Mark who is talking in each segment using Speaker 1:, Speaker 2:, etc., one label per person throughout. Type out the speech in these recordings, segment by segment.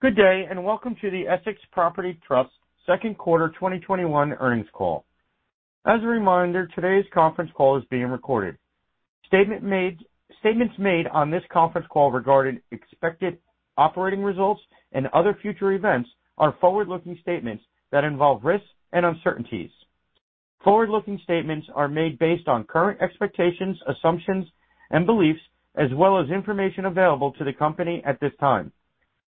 Speaker 1: Good day, welcome to the Essex Property Trust second quarter 2021 earnings call. As a reminder, today's conference call is being recorded. Statements made on this conference call regarding expected operating results and other future events are forward-looking statements that involve risks and uncertainties. Forward-looking statements are made based on current expectations, assumptions, and beliefs, as well as information available to the company at this time.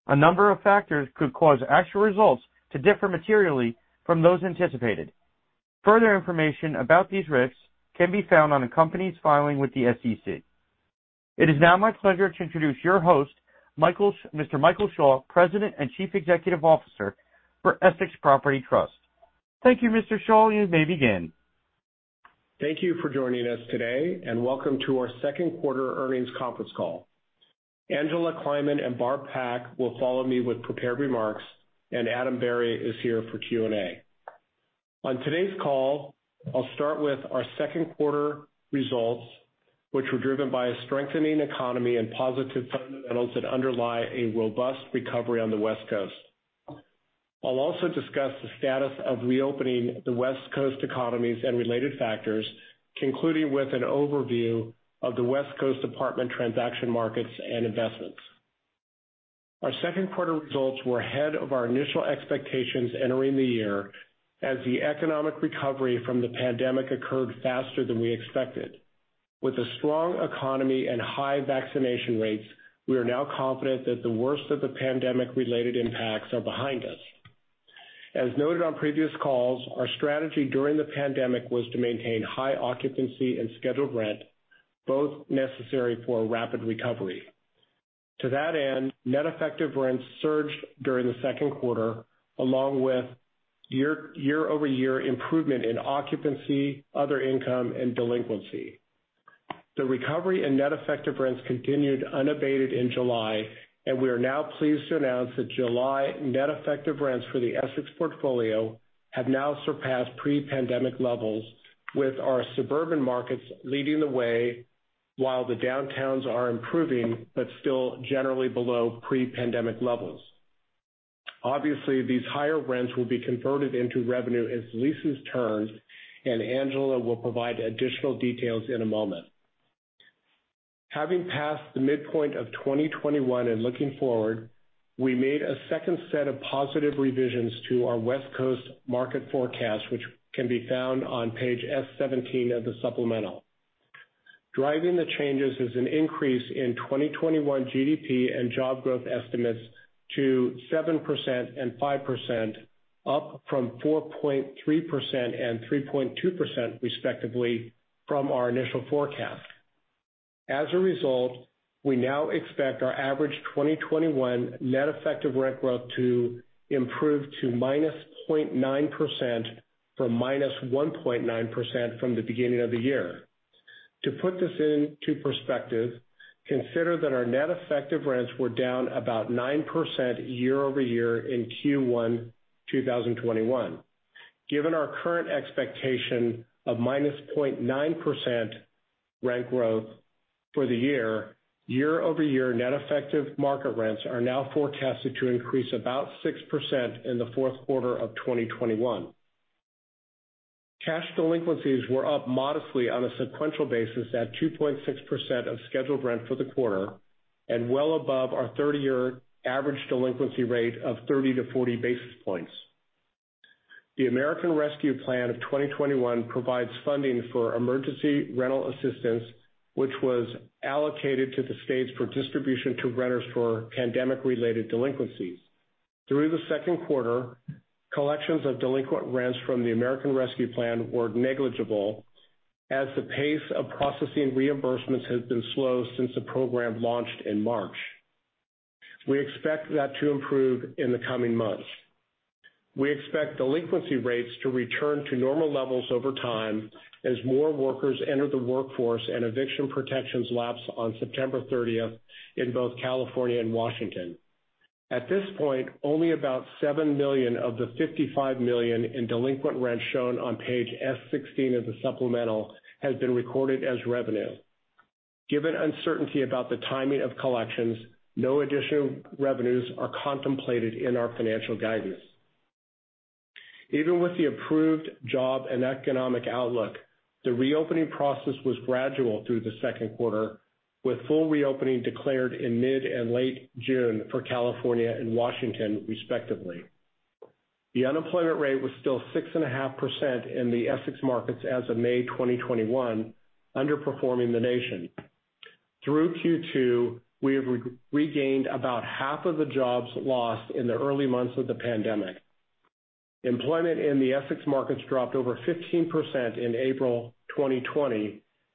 Speaker 1: A number of factors could cause actual results to differ materially from those anticipated. Further information about these risks can be found on the company's filing with the SEC. It is now my pleasure to introduce your host, Mr. Michael Schall, President and Chief Executive Officer for Essex Property Trust. Thank you, Mr. Schall. You may begin.
Speaker 2: Thank you for joining us today, and welcome to our second quarter earnings conference call. Angela Kleiman and Barb Pak will follow me with prepared remarks, and Adam Berry is here for Q&A. On today's call, I'll start with our second quarter results, which were driven by a strengthening economy and positive fundamentals that underlie a robust recovery on the West Coast. I'll also discuss the status of reopening the West Coast economies and related factors, concluding with an overview of the West Coast apartment transaction markets and investments. Our second quarter results were ahead of our initial expectations entering the year as the economic recovery from the pandemic occurred faster than we expected. With a strong economy and high vaccination rates, we are now confident that the worst of the pandemic-related impacts are behind us. As noted on previous calls, our strategy during the pandemic was to maintain high occupancy and scheduled rent, both necessary for a rapid recovery. To that end, net effective rents surged during the second quarter, along with year-over-year improvement in occupancy, other income, and delinquency. The recovery in net effective rents continued unabated in July, and we are now pleased to announce that July net effective rents for the Essex portfolio have now surpassed pre-pandemic levels, with our suburban markets leading the way, while the downtowns are improving but still generally below pre-pandemic levels. Obviously, these higher rents will be converted into revenue as leases turn, and Angela will provide additional details in a moment. Having passed the midpoint of 2021 and looking forward, we made a second set of positive revisions to our West Coast market forecast, which can be found on page S17 of the supplemental. Driving the changes is an increase in 2021 GDP and job growth estimates to 7% and 5%, up from 4.3% and 3.2% respectively from our initial forecast. As a result, we now expect our average 2021 net effective rent growth to improve to -0.9% from -1.9% from the beginning of the year. To put this into perspective, consider that our net effective rents were down about 9% year-over-year in Q1 2021. Given our current expectation of -0.9% rent growth for the year-over-year net effective market rents are now forecasted to increase about 6% in the fourth quarter of 2021. Cash delinquencies were up modestly on a sequential basis at 2.6% of scheduled rent for the quarter, and well above our third year average delinquency rate of 30-40 basis points. The American Rescue Plan of 2021 provides funding for emergency rental assistance, which was allocated to the states for distribution to renters for pandemic-related delinquencies. Through the second quarter, collections of delinquent rents from the American Rescue Plan were negligible as the pace of processing reimbursements has been slow since the program launched in March. We expect that to improve in the coming months. We expect delinquency rates to return to normal levels over time as more workers enter the workforce and eviction protections lapse on September 30th in both California and Washington. At this point, only about $7 million of the $55 million in delinquent rent shown on page S16 of the supplemental has been recorded as revenue. Given uncertainty about the timing of collections, no additional revenues are contemplated in our financial guidance. Even with the approved job and economic outlook, the reopening process was gradual through the second quarter, with full reopening declared in mid and late June for California and Washington, respectively. The unemployment rate was still 6.5% in the Essex markets as of May 2021, underperforming the nation. Through Q2, we have regained about half of the jobs lost in the early months of the pandemic.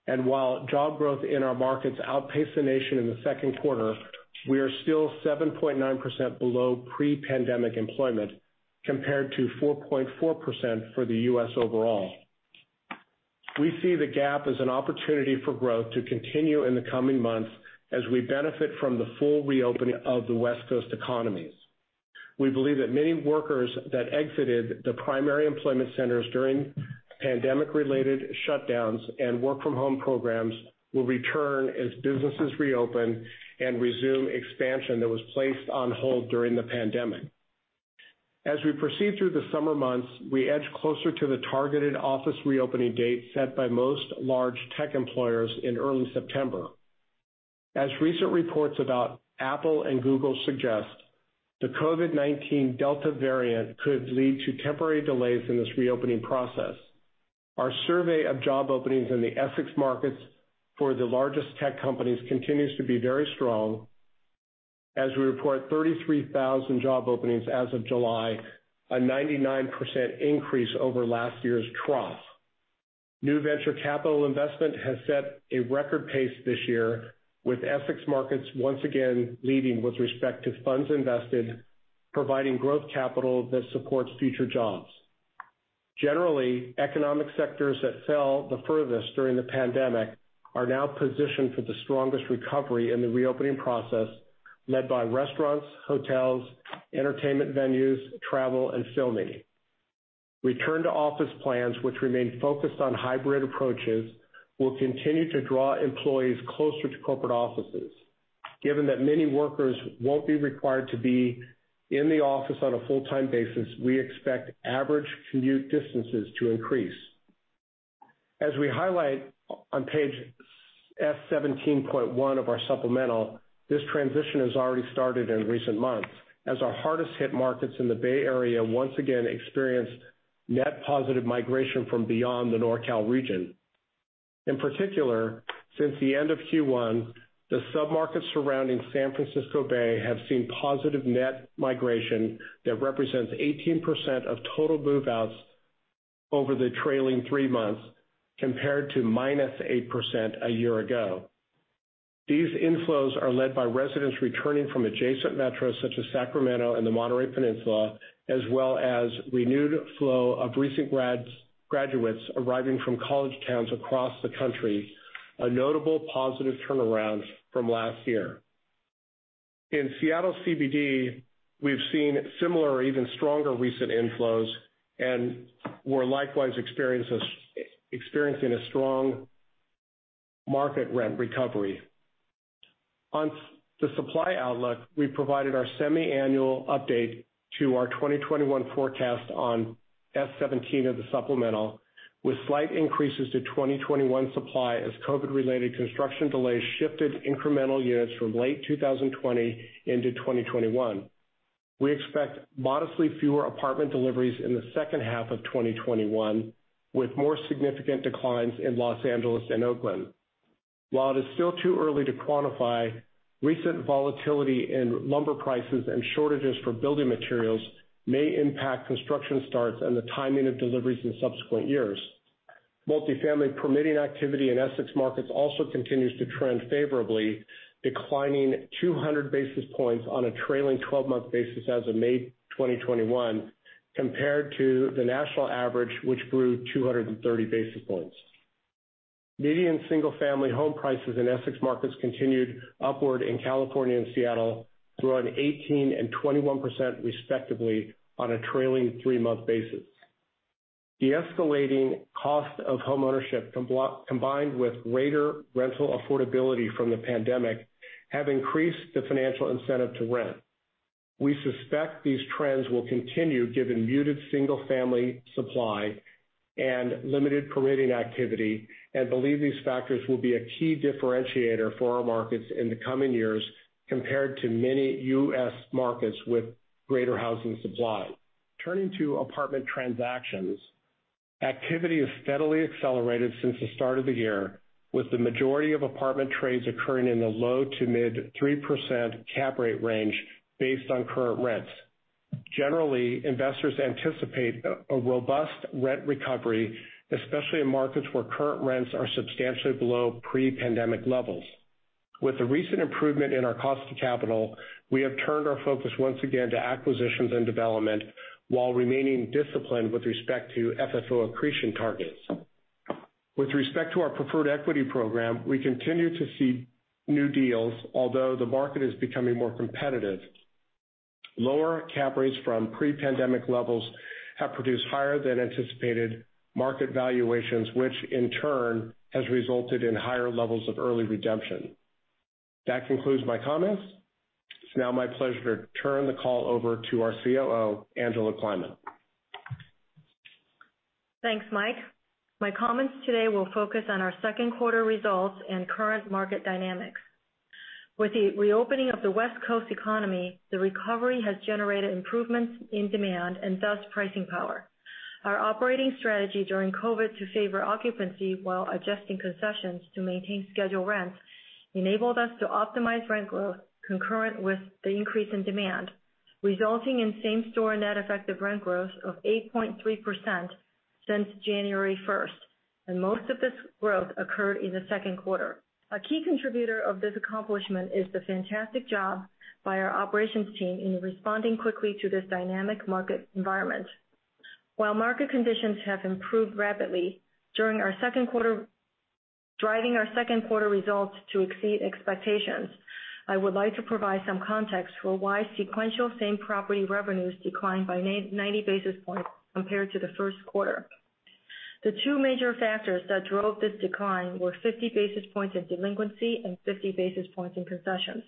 Speaker 2: While job growth in our markets outpaced the nation in the second quarter, we are still 7.9% below pre-pandemic employment, compared to 4.4% for the U.S. overall. We see the gap as an opportunity for growth to continue in the coming months as we benefit from the full reopening of the West Coast economies. We believe that many workers that exited the primary employment centers during pandemic-related shutdowns and work-from-home programs will return as businesses reopen and resume expansion that was placed on hold during the pandemic. As we proceed through the summer months, we edge closer to the targeted office reopening date set by most large tech employers in early September. As recent reports about Apple and Google suggest, the COVID-19 Delta variant could lead to temporary delays in this reopening process. Our survey of job openings in the Essex markets for the largest tech companies continues to be very strong as we report 33,000 job openings as of July, a 99% increase over last year's trough. New venture capital investment has set a record pace this year, with Essex markets once again leading with respect to funds invested, providing growth capital that supports future jobs. Generally, economic sectors that fell the furthest during the pandemic are now positioned for the strongest recovery in the reopening process, led by restaurants, hotels, entertainment venues, travel, and filmmaking. Return to office plans, which remain focused on hybrid approaches, will continue to draw employees closer to corporate offices. Given that many workers won't be required to be in the office on a full-time basis, we expect average commute distances to increase. As we highlight on page S-17.1 of our supplemental, this transition has already started in recent months, as our hardest hit markets in the Bay Area once again experienced net positive migration from beyond the NorCal region. In particular, since the end of Q1, the sub-markets surrounding San Francisco Bay have seen positive net migration that represents 18% of total move-outs over the trailing three months, compared to -8% a year ago. These inflows are led by residents returning from adjacent metros such as Sacramento and the Monterey Peninsula, as well as renewed flow of recent graduates arriving from college towns across the country, a notable positive turnaround from last year. In Seattle CBD, we've seen similar or even stronger recent inflows and we're likewise experiencing a strong market rent recovery. On the supply outlook, we provided our semi-annual update to our 2021 forecast on S17 of the supplemental, with slight increases to 2021 supply as COVID-related construction delays shifted incremental units from late 2020 into 2021. We expect modestly fewer apartment deliveries in the second half of 2021, with more significant declines in Los Angeles and Oakland. While it is still too early to quantify, recent volatility in lumber prices and shortages for building materials may impact construction starts and the timing of deliveries in subsequent years. Multifamily permitting activity in Essex markets also continues to trend favorably, declining 200 basis points on a trailing 12-month basis as of May 2021, compared to the national average, which grew 230 basis points. Median single-family home prices in Essex markets continued upward in California and Seattle, growing 18% and 21% respectively on a trailing three-month basis. The escalating cost of homeownership, combined with greater rental affordability from the pandemic, have increased the financial incentive to rent. We suspect these trends will continue given muted single-family supply and limited permitting activity, and believe these factors will be a key differentiator for our markets in the coming years compared to many US markets with greater housing supply. Turning to apartment transactions. Activity has steadily accelerated since the start of the year, with the majority of apartment trades occurring in the low to mid 3% cap rate range based on current rents. Generally, investors anticipate a robust rent recovery, especially in markets where current rents are substantially below pre-pandemic levels. With the recent improvement in our cost of capital, we have turned our focus once again to acquisitions and development, while remaining disciplined with respect to FFO accretion targets. With respect to our preferred equity program, we continue to see new deals, although the market is becoming more competitive. Lower cap rates from pre-pandemic levels have produced higher than anticipated market valuations, which in turn has resulted in higher levels of early redemption. That concludes my comments. It's now my pleasure to turn the call over to our COO, Angela Kleiman.
Speaker 3: Thanks, Mike. My comments today will focus on our second quarter results and current market dynamics. With the reopening of the West Coast economy, the recovery has generated improvements in demand and thus pricing power. Our operating strategy during COVID to favor occupancy while adjusting concessions to maintain scheduled rents enabled us to optimize rent growth concurrent with the increase in demand, resulting in same-store net effective rent growth of 8.3% since January 1st, and most of this growth occurred in the second quarter. A key contributor of this accomplishment is the fantastic job by our operations team in responding quickly to this dynamic market environment. While market conditions have improved rapidly during our second quarter Driving our second quarter results to exceed expectations. I would like to provide some context for why sequential same property revenues declined by 90 basis points compared to the first quarter. The 2 major factors that drove this decline were 50 basis points in delinquency and 50 basis points in concessions.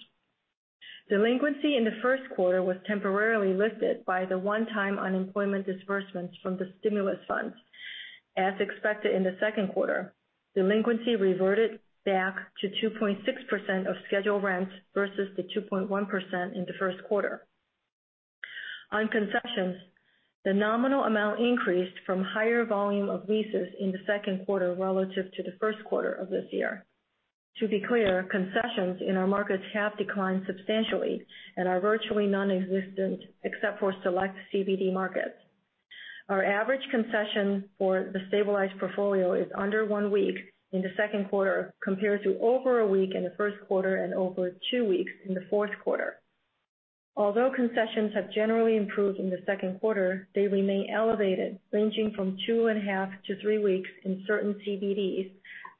Speaker 3: Delinquency in the first quarter was temporarily lifted by the one-time unemployment disbursements from the stimulus funds. As expected in the second quarter, delinquency reverted back to 2.6% of scheduled rents versus the 2.1% in the first quarter. On concessions, the nominal amount increased from higher volume of leases in the second quarter relative to the first quarter of this year. To be clear, concessions in our markets have declined substantially and are virtually non-existent except for select CBD markets. Our average concession for the stabilized portfolio is under one week in the second quarter, compared to over a week in the first quarter and over two weeks in the fourth quarter. Although concessions have generally improved in the second quarter, they remain elevated, ranging from 2.5 to three weeks in certain CBDs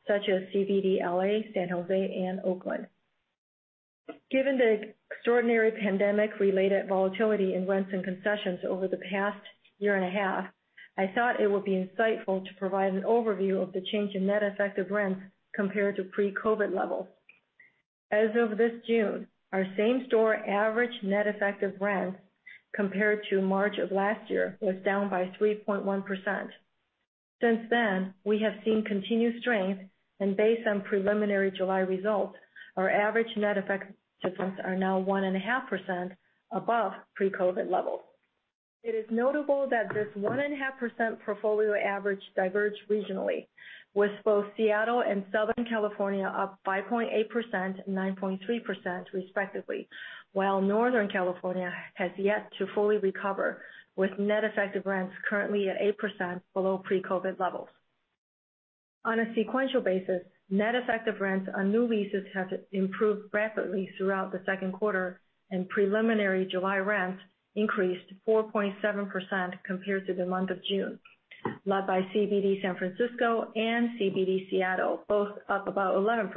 Speaker 3: such as CBD L.A., San Jose and Oakland. Given the extraordinary pandemic-related volatility in rents and concessions over the past 1.5 years, I thought it would be insightful to provide an overview of the change in net effective rents compared to pre-COVID levels. As of this June, our same store average net effective rents compared to March of last year was down by 3.1%. Since then, we have seen continued strength and based on preliminary July results, our average net effective rents are now 1.5% above pre-COVID levels. It is notable that this 1.5% portfolio average diverged regionally with both Seattle and Southern California up 5.8% and 9.3% respectively, while Northern California has yet to fully recover, with net effective rents currently at 8% below pre-COVID levels. On a sequential basis, net effective rents on new leases have improved rapidly throughout the second quarter, and preliminary July rents increased 4.7% compared to the month of June, led by CBD San Francisco and CBD Seattle, both up about 11%.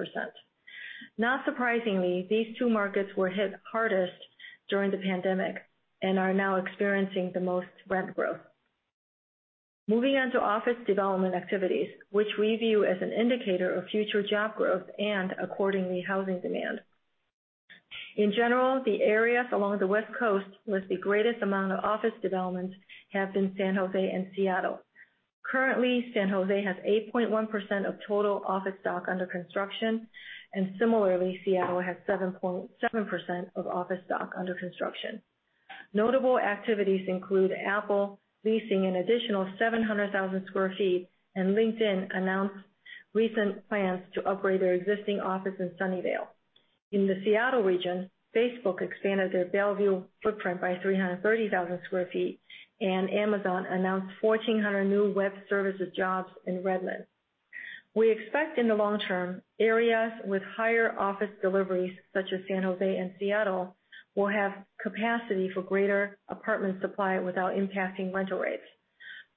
Speaker 3: Not surprisingly, these two markets were hit hardest during the pandemic and are now experiencing the most rent growth. Moving on to office development activities, which we view as an indicator of future job growth and accordingly, housing demand. In general, the areas along the West Coast with the greatest amount of office development have been San Jose and Seattle. Currently, San Jose has 8.1% of total office stock under construction, and similarly, Seattle has 7.7% of office stock under construction. Notable activities include Apple leasing an additional 700,000 sq ft, and LinkedIn announced recent plans to upgrade their existing office in Sunnyvale. In the Seattle region, Facebook expanded their Bellevue footprint by 330,000 sq ft, and Amazon announced 1,400 new web services jobs in Redmond. We expect in the long term, areas with higher office deliveries such as San Jose and Seattle will have capacity for greater apartment supply without impacting rental rates.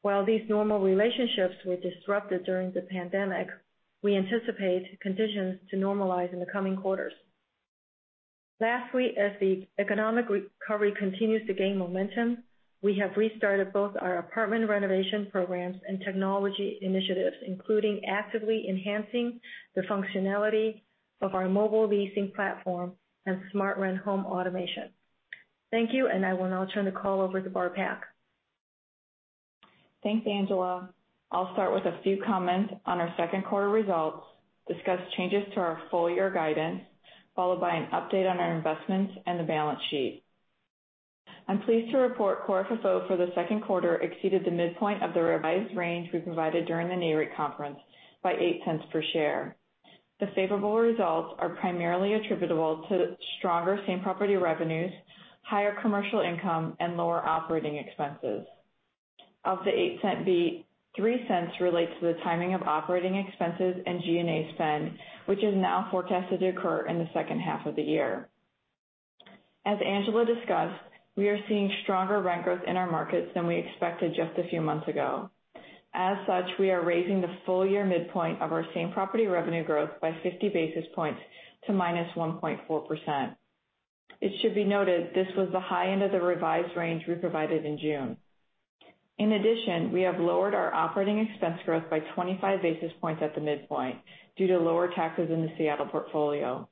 Speaker 3: While these normal relationships were disrupted during the pandemic, we anticipate conditions to normalize in the coming quarters. Lastly, as the economic recovery continues to gain momentum, we have restarted both our apartment renovation programs and technology initiatives, including actively enhancing the functionality of our mobile leasing platform and SmartRent home automation. Thank you. I will now turn the call over to Barb Pak.
Speaker 4: Thanks, Angela. I'll start with a few comments on our second quarter results, discuss changes to our full year guidance, followed by an update on our investments and the balance sheet. I'm pleased to report Core FFO for the second quarter exceeded the midpoint of the revised range we provided during the Nareit conference by $0.08 per share. The favorable results are primarily attributable to stronger same property revenues, higher commercial income, and lower operating expenses. Of the $0.08 beat, $0.03 relates to the timing of operating expenses and G&A spend, which is now forecasted to occur in the second half of the year. As Angela discussed, we are seeing stronger rent growth in our markets than we expected just a few months ago. As such, we are raising the full year midpoint of our same property revenue growth by 50 basis points to -1.4%. It should be noted this was the high end of the revised range we provided in June. We have lowered our operating expense growth by 25 basis points at the midpoint due to lower taxes in the Seattle portfolio.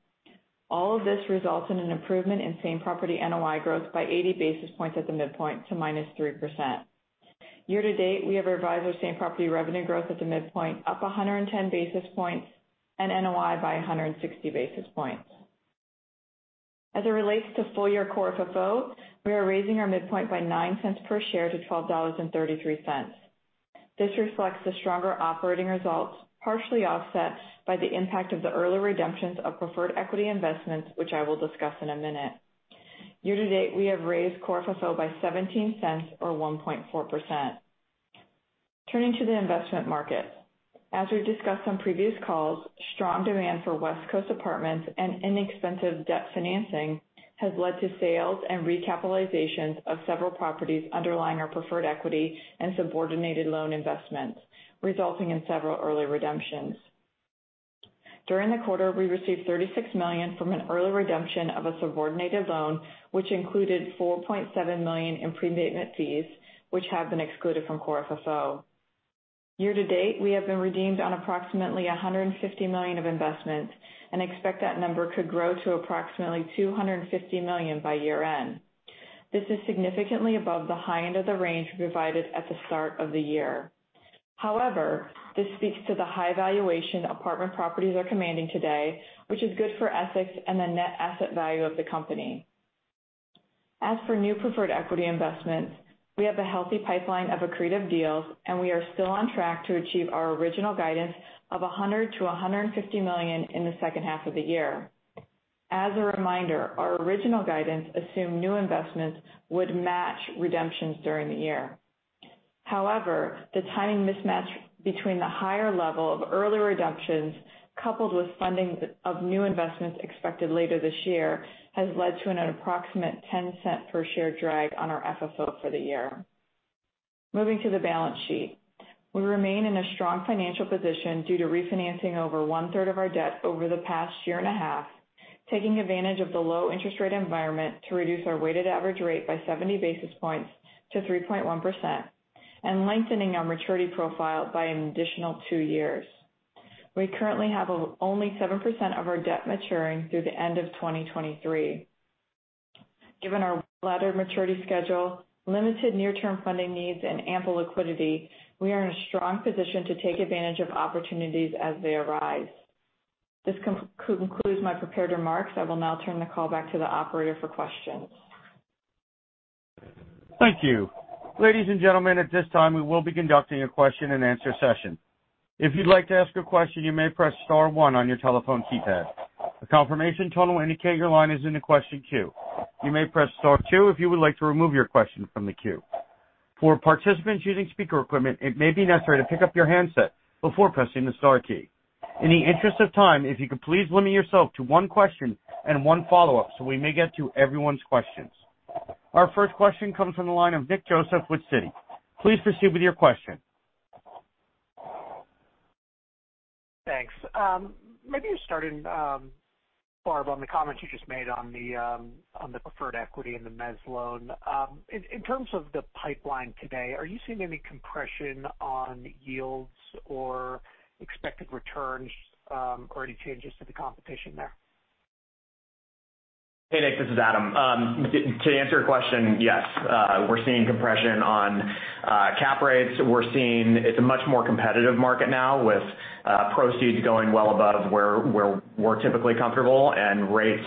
Speaker 4: All of this results in an improvement in same property NOI growth by 80 basis points at the midpoint to -3%. Year to date, we have revised our same property revenue growth at the midpoint, up 110 basis points and NOI by 160 basis points. As it relates to full year Core FFO, we are raising our midpoint by $0.09 per share to $12.33. This reflects the stronger operating results, partially offset by the impact of the early redemptions of preferred equity investments, which I will discuss in a minute. Year to date, we have raised Core FFO by $0.17 or 1.4%. Turning to the investment market. As we've discussed on previous calls, strong demand for West Coast apartments and inexpensive debt financing has led to sales and recapitalizations of several properties underlying our preferred equity and subordinated loan investments, resulting in several early redemptions. During the quarter, we received $36 million from an early redemption of a subordinated loan, which included $4.7 million in prepayment fees, which have been excluded from Core FFO. Year to date, we have been redeemed on approximately $150 million of investments and expect that number could grow to approximately $250 million by year-end. This is significantly above the high end of the range we provided at the start of the year. However, this speaks to the high valuation apartment properties are commanding today, which is good for Essex and the net asset value of the company. As for new preferred equity investments, we have a healthy pipeline of accretive deals, and we are still on track to achieve our original guidance of $100 million-$150 million in the second half of the year. As a reminder, our original guidance assumed new investments would match redemptions during the year. However, the timing mismatch between the higher level of early redemptions, coupled with funding of new investments expected later this year, has led to an approximate $0.10 per share drag on our FFO for the year. Moving to the balance sheet. We remain in a strong financial position due to refinancing over 1/3 of our debt over the past year and a half, taking advantage of the low interest rate environment to reduce our weighted average rate by 70 basis points to 3.1%, and lengthening our maturity profile by an additional two years. We currently have only 7% of our debt maturing through the end of 2023. Given our laddered maturity schedule, limited near-term funding needs, and ample liquidity, we are in a strong position to take advantage of opportunities as they arise. This concludes my prepared remarks. I will now turn the call back to the operator for questions.
Speaker 1: Thank you. Ladies and gentlemen, at this time, we will be conducting a question and answer session. If you'd like to ask a question, you may press star one on your telephone keypad. A confirmation tone will indicate your line is in the question queue. You may press star two if you would like to remove your question from the queue. For participants using speaker equipment, it may be necessary to pick up your handset before pressing the star key. In the interest of time, if you could please limit yourself to one question and one follow-up, so we may get to everyone's questions. Our first question comes from the line of Nick Joseph with Citi. Please proceed with your question.
Speaker 5: Thanks. Maybe you start in, Barb, on the comments you just made on the preferred equity and the mezz loan. In terms of the pipeline today, are you seeing any compression on yields or expected returns, or any changes to the competition there?
Speaker 6: Hey, Nick, this is Adam. To answer your question, yes. We're seeing compression on cap rates. We're seeing it's a much more competitive market now with proceeds going well above where we're typically comfortable and rates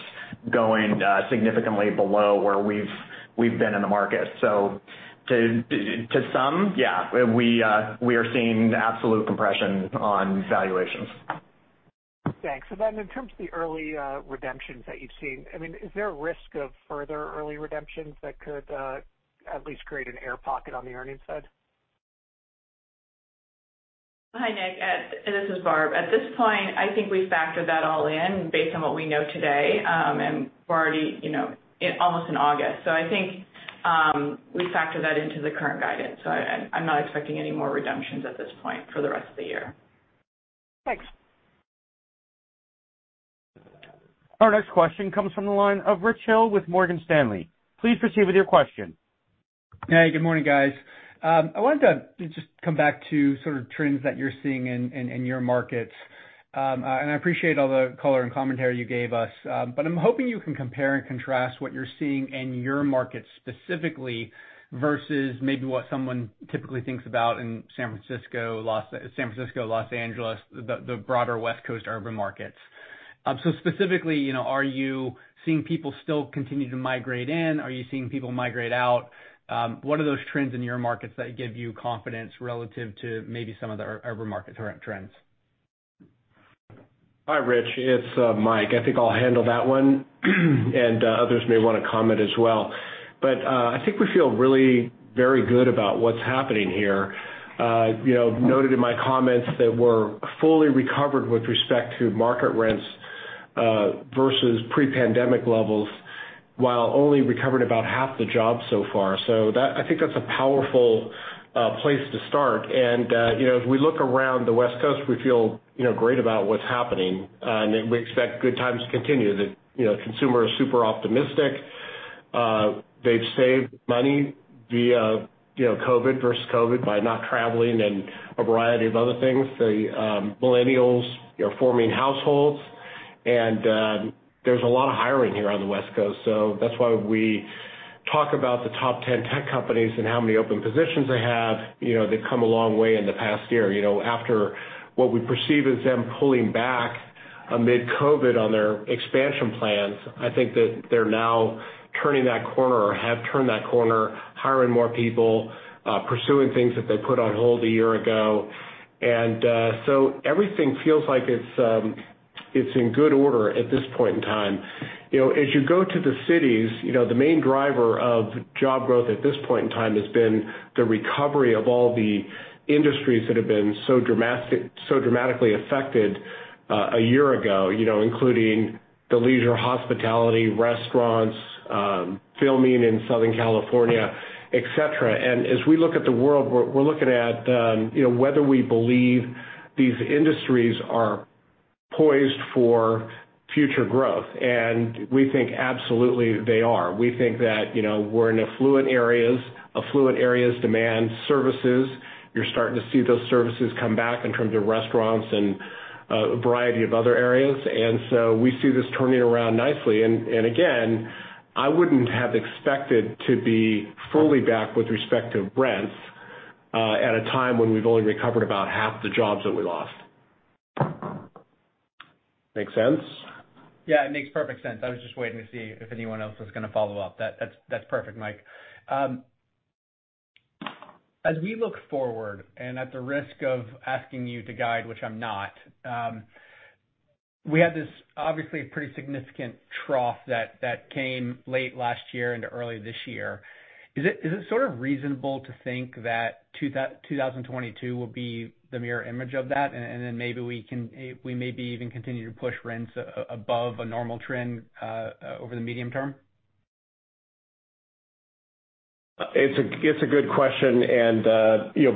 Speaker 6: going significantly below where we've been in the market. To some, yeah, we are seeing absolute compression on valuations.
Speaker 5: Thanks. In terms of the early redemptions that you've seen, is there a risk of further early redemptions that could at least create an air pocket on the earnings side?
Speaker 4: Hi, Nick. This is Barb. At this point, I think we factored that all in based on what we know today, and we're already almost in August. I think we factor that into the current guidance. I'm not expecting any more redemptions at this point for the rest of the year.
Speaker 5: Thanks.
Speaker 1: Our next question comes from the line of Rich Hill with Morgan Stanley. Please proceed with your question.
Speaker 7: Hey, good morning, guys. I wanted to just come back to sort of trends that you're seeing in your markets. I appreciate all the color and commentary you gave us. I'm hoping you can compare and contrast what you're seeing in your markets specifically versus maybe what someone typically thinks about in San Francisco, Los Angeles, the broader West Coast urban markets. Specifically, are you seeing people still continue to migrate in? Are you seeing people migrate out? What are those trends in your markets that give you confidence relative to maybe some of the urban market trends?
Speaker 2: Hi, Rich. It's Mike. I think I'll handle that one, and others may want to comment as well. I think we feel really very good about what's happening here. Noted in my comments that we're fully recovered with respect to market rents versus pre-pandemic levels, while only recovered about half the jobs so far. I think that's a powerful place to start. As we look around the West Coast, we feel great about what's happening, and we expect good times to continue. The consumer is super optimistic. They've saved money via COVID-19 versus COVID-19 by not traveling and a variety of other things. The millennials are forming households, and there's a lot of hiring here on the West Coast. That's why we talk about the top 10 tech companies and how many open positions they have. They've come a long way in the past year. After what we perceive as them pulling back amid COVID on their expansion plans, I think that they're now turning that corner or have turned that corner, hiring more people, pursuing things that they put on hold a year ago. Everything feels like it's in good order at this point in time. As you go to the cities, the main driver of job growth at this point in time has been the recovery of all the industries that have been so dramatically affected a year ago, including the leisure, hospitality, restaurants, filming in Southern California, et cetera. As we look at the world, we're looking at whether we believe these industries are poised for future growth. We think absolutely they are. We think that we're in affluent areas. Affluent areas demand services. You're starting to see those services come back in terms of restaurants and a variety of other areas. We see this turning around nicely. Again, I wouldn't have expected to be fully back with respect to rents at a time when we've only recovered about half the jobs that we lost. Make sense?
Speaker 7: Yeah, it makes perfect sense. I was just waiting to see if anyone else was going to follow up. That's perfect, Mike. As we look forward, and at the risk of asking you to guide, which I'm not, we had this obviously pretty significant trough that came late last year into early this year. Is it sort of reasonable to think that 2022 will be the mirror image of that? Maybe we can maybe even continue to push rents above a normal trend over the medium term?
Speaker 2: It's a good question,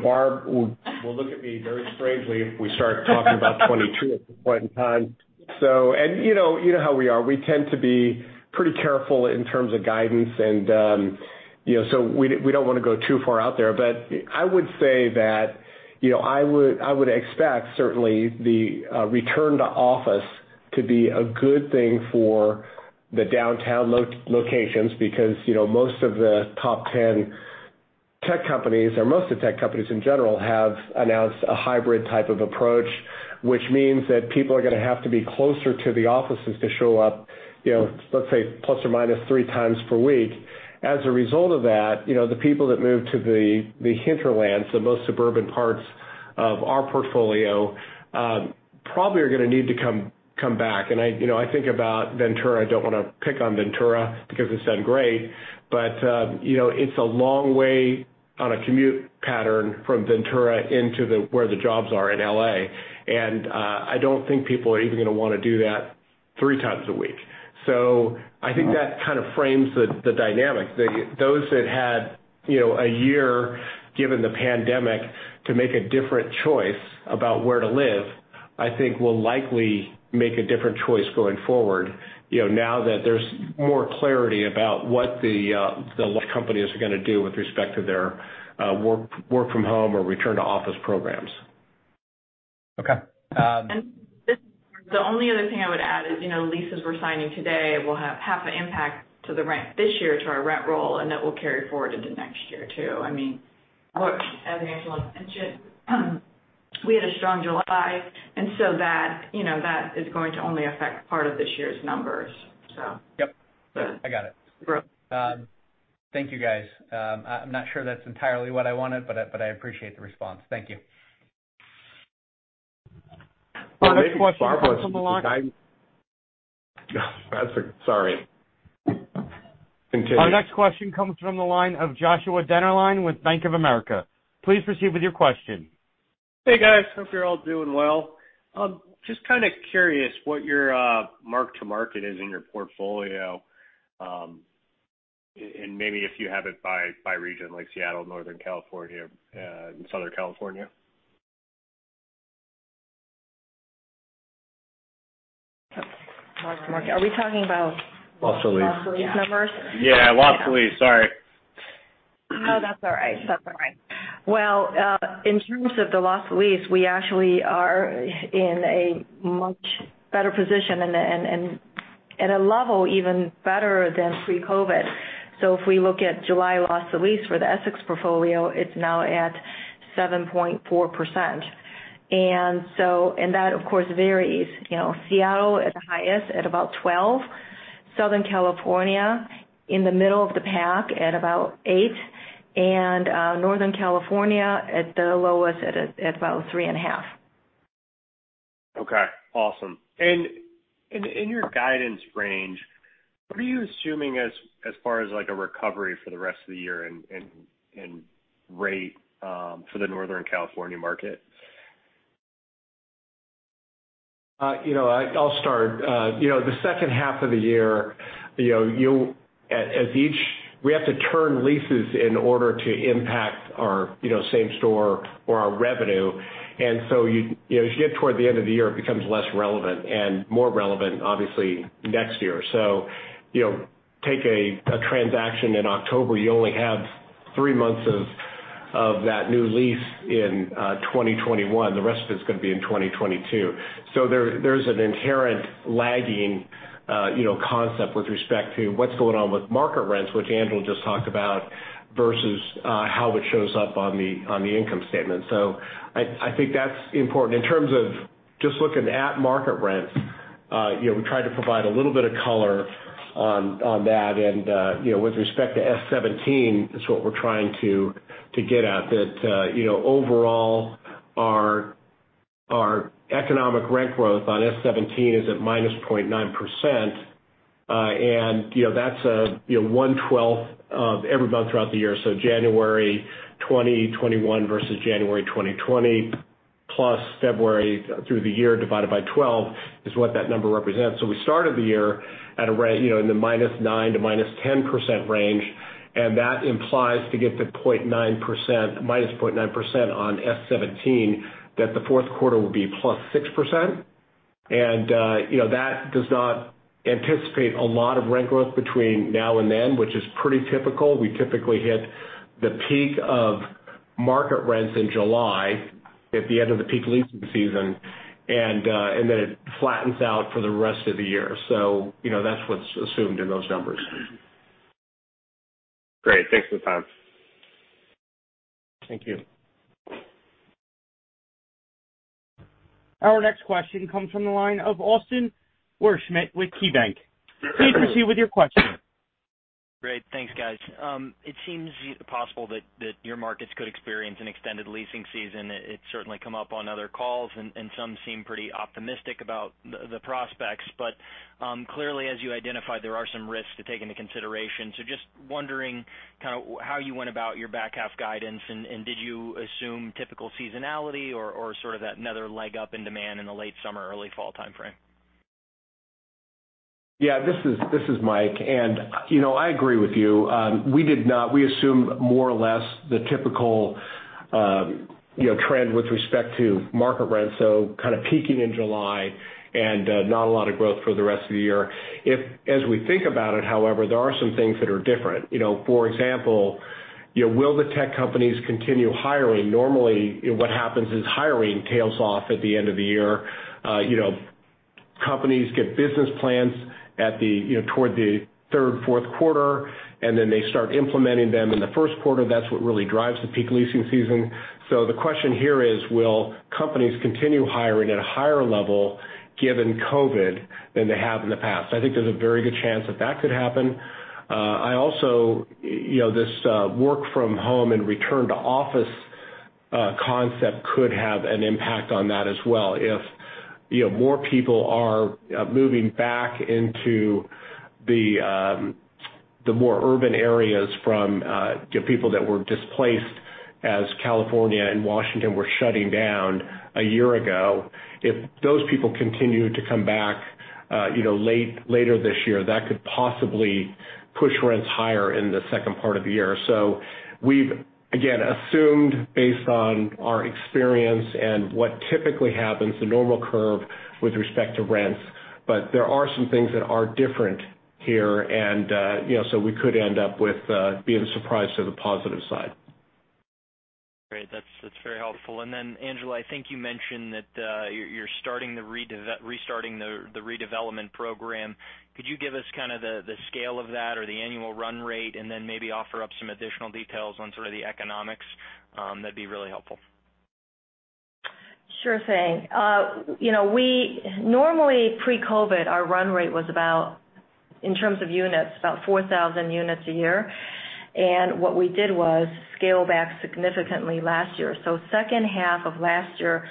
Speaker 2: Barb will look at me very strangely if we start talking about 2022 at this point in time. You know how we are. We tend to be pretty careful in terms of guidance, we don't want to go too far out there. I would say that I would expect certainly the return to office to be a good thing for the downtown locations because most of the top 10 tech companies, or most of the tech companies in general, have announced a hybrid type of approach, which means that people are going to have to be closer to the offices to show up, let's say, ±3 times per week. As a result of that, the people that move to the hinterlands, the most suburban parts of our portfolio, probably are going to need to come back. I think about Ventura. I don't want to pick on Ventura because it's done great, but it's a long way on a commute pattern from Ventura into where the jobs are in L.A. I don't think people are even going to want to do that three times a week. I think that kind of frames the dynamics. Those that had a year, given the pandemic, to make a different choice about where to live, I think will likely make a different choice going forward now that there's more clarity about what the companies are going to do with respect to their work from home or return to office programs.
Speaker 7: Okay.
Speaker 4: The only other thing I would add is leases we're signing today will have half an impact to the rent this year to our rent roll, and that will carry forward into next year, too. As Angela mentioned, we had a strong July, and so that is going to only affect part of this year's numbers.
Speaker 7: Yep. I got it. Thank you, guys. I'm not sure that's entirely what I wanted, but I appreciate the response. Thank you.
Speaker 2: Maybe Barb wants to guide.
Speaker 1: Our next question comes from the line.
Speaker 2: Sorry. Continue.
Speaker 1: Our next question comes from the line of Joshua Dennerlein with Bank of America. Please proceed with your question.
Speaker 8: Hey, guys. Hope you're all doing well. Just kind of curious what your mark-to-market is in your portfolio, and maybe if you have it by region, like Seattle, Northern California, and Southern California.
Speaker 3: Mark-to-market. Are we talking about-
Speaker 2: Loss to lease.
Speaker 3: loss to lease numbers?
Speaker 8: Yeah, loss to lease. Sorry.
Speaker 3: No, that's all right. In terms of the loss to lease, we actually are in a much better position and at a level even better than pre-COVID. If we look at July loss to lease for the Essex portfolio, it's now at 7.4%. That of course varies. Seattle at the highest at about 12. Southern California in the middle of the pack at about eight. Northern California at the lowest at about 3.5.
Speaker 8: Okay. Awesome. In your guidance range, what are you assuming as far as a recovery for the rest of the year and rate for the Northern California market?
Speaker 2: I'll start. The second half of the year, we have to turn leases in order to impact our same store or our revenue. As you get toward the end of the year, it becomes less relevant, and more relevant obviously next year. Take a transaction in October. You only have three months of that new lease in 2021. The rest of it's going to be in 2022. There's an inherent lagging concept with respect to what's going on with market rents, which Angela just talked about, versus how it shows up on the income statement. I think that's important. In terms of just looking at market rents, we try to provide a little bit of color on that. With respect to S17, it's what we're trying to get at. Overall, our economic rent growth on S17 is at -0.9%, and that's 1/12 of every month throughout the year. January 2021 versus January 2020, plus February through the year divided by 12 is what that number represents. We started the year in the -9% to -10% range, and that implies to get to -0.9% on S17, that the fourth quarter will be +6%. That does not anticipate a lot of rent growth between now and then, which is pretty typical. We typically hit the peak of market rents in July at the end of the peak leasing season, and then it flattens out for the rest of the year. That's what's assumed in those numbers.
Speaker 8: Great. Thanks for the time.
Speaker 2: Thank you.
Speaker 1: Our next question comes from the line of Austin Wurschmidt with KeyBanc. Please proceed with your question.
Speaker 9: Great. Thanks, guys. It seems possible that your markets could experience an extended leasing season. It's certainly come up on other calls, and some seem pretty optimistic about the prospects. Clearly, as you identified, there are some risks to take into consideration. Just wondering how you went about your back half guidance, and did you assume typical seasonality or sort of that another leg up in demand in the late summer, early fall timeframe?
Speaker 2: Yeah, this is Mike. I agree with you. We assumed more or less the typical trend with respect to market rent, so kind of peaking in July and not a lot of growth for the rest of the year. As we think about it, however, there are some things that are different. For example, will the tech companies continue hiring? Normally, what happens is hiring tails off at the end of the year. Companies get business plans toward the third, fourth quarter, and then they start implementing them in the first quarter. That's what really drives the peak leasing season. The question here is, will companies continue hiring at a higher level, given COVID, than they have in the past? I think there's a very good chance that that could happen. This work from home and return to office concept could have an impact on that as well. More people are moving back into the more urban areas from people that were displaced as California and Washington were shutting down a year ago. Those people continue to come back later this year, that could possibly push rents higher in the second part of the year. We've, again, assumed, based on our experience and what typically happens, the normal curve with respect to rents. There are some things that are different here, we could end up with being surprised to the positive side.
Speaker 9: Great. That's very helpful. Angela, I think you mentioned that you're restarting the redevelopment program. Could you give us kind of the scale of that or the annual run rate, maybe offer up some additional details on sort of the economics? That'd be really helpful.
Speaker 3: Sure thing. Normally pre-COVID, our run rate was about, in terms of units, about 4,000 units a year. What we did was scale back significantly last year. Second half of last year,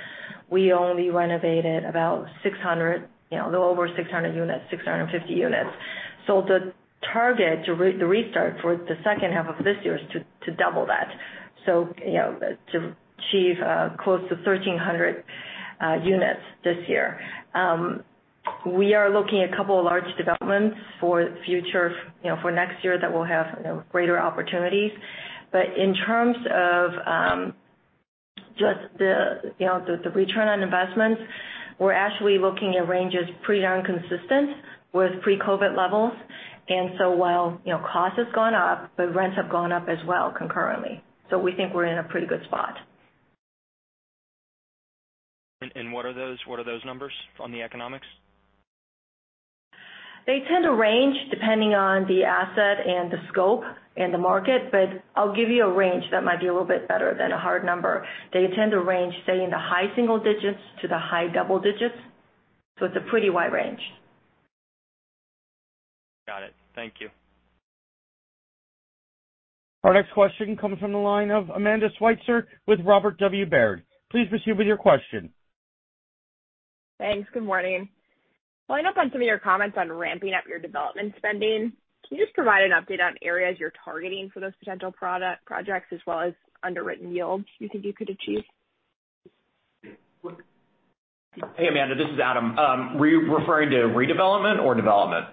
Speaker 3: we only renovated a little over 600 units, 650 units. The target to restart for the second half of this year is to double that, to achieve close to 1,300 units this year. We are looking at a couple of large developments for next year that will have greater opportunities. In terms of just the return on investments, we're actually looking at ranges pretty darn consistent with pre-COVID levels. While cost has gone up, but rents have gone up as well concurrently. We think we're in a pretty good spot.
Speaker 9: What are those numbers on the economics?
Speaker 3: They tend to range depending on the asset and the scope and the market. I'll give you a range that might be a little bit better than a hard number. They tend to range, say, in the high single digits to the high double digits. It's a pretty wide range.
Speaker 9: Got it. Thank you.
Speaker 1: Our next question comes from the line of Amanda Sweitzer with Robert W. Baird. Please proceed with your question.
Speaker 10: Thanks. Good morning. Following up on some of your comments on ramping up your development spending, can you just provide an update on areas you're targeting for those potential projects as well as underwritten yields you think you could achieve?
Speaker 6: Hey, Amanda, this is Adam. Were you referring to redevelopment or development?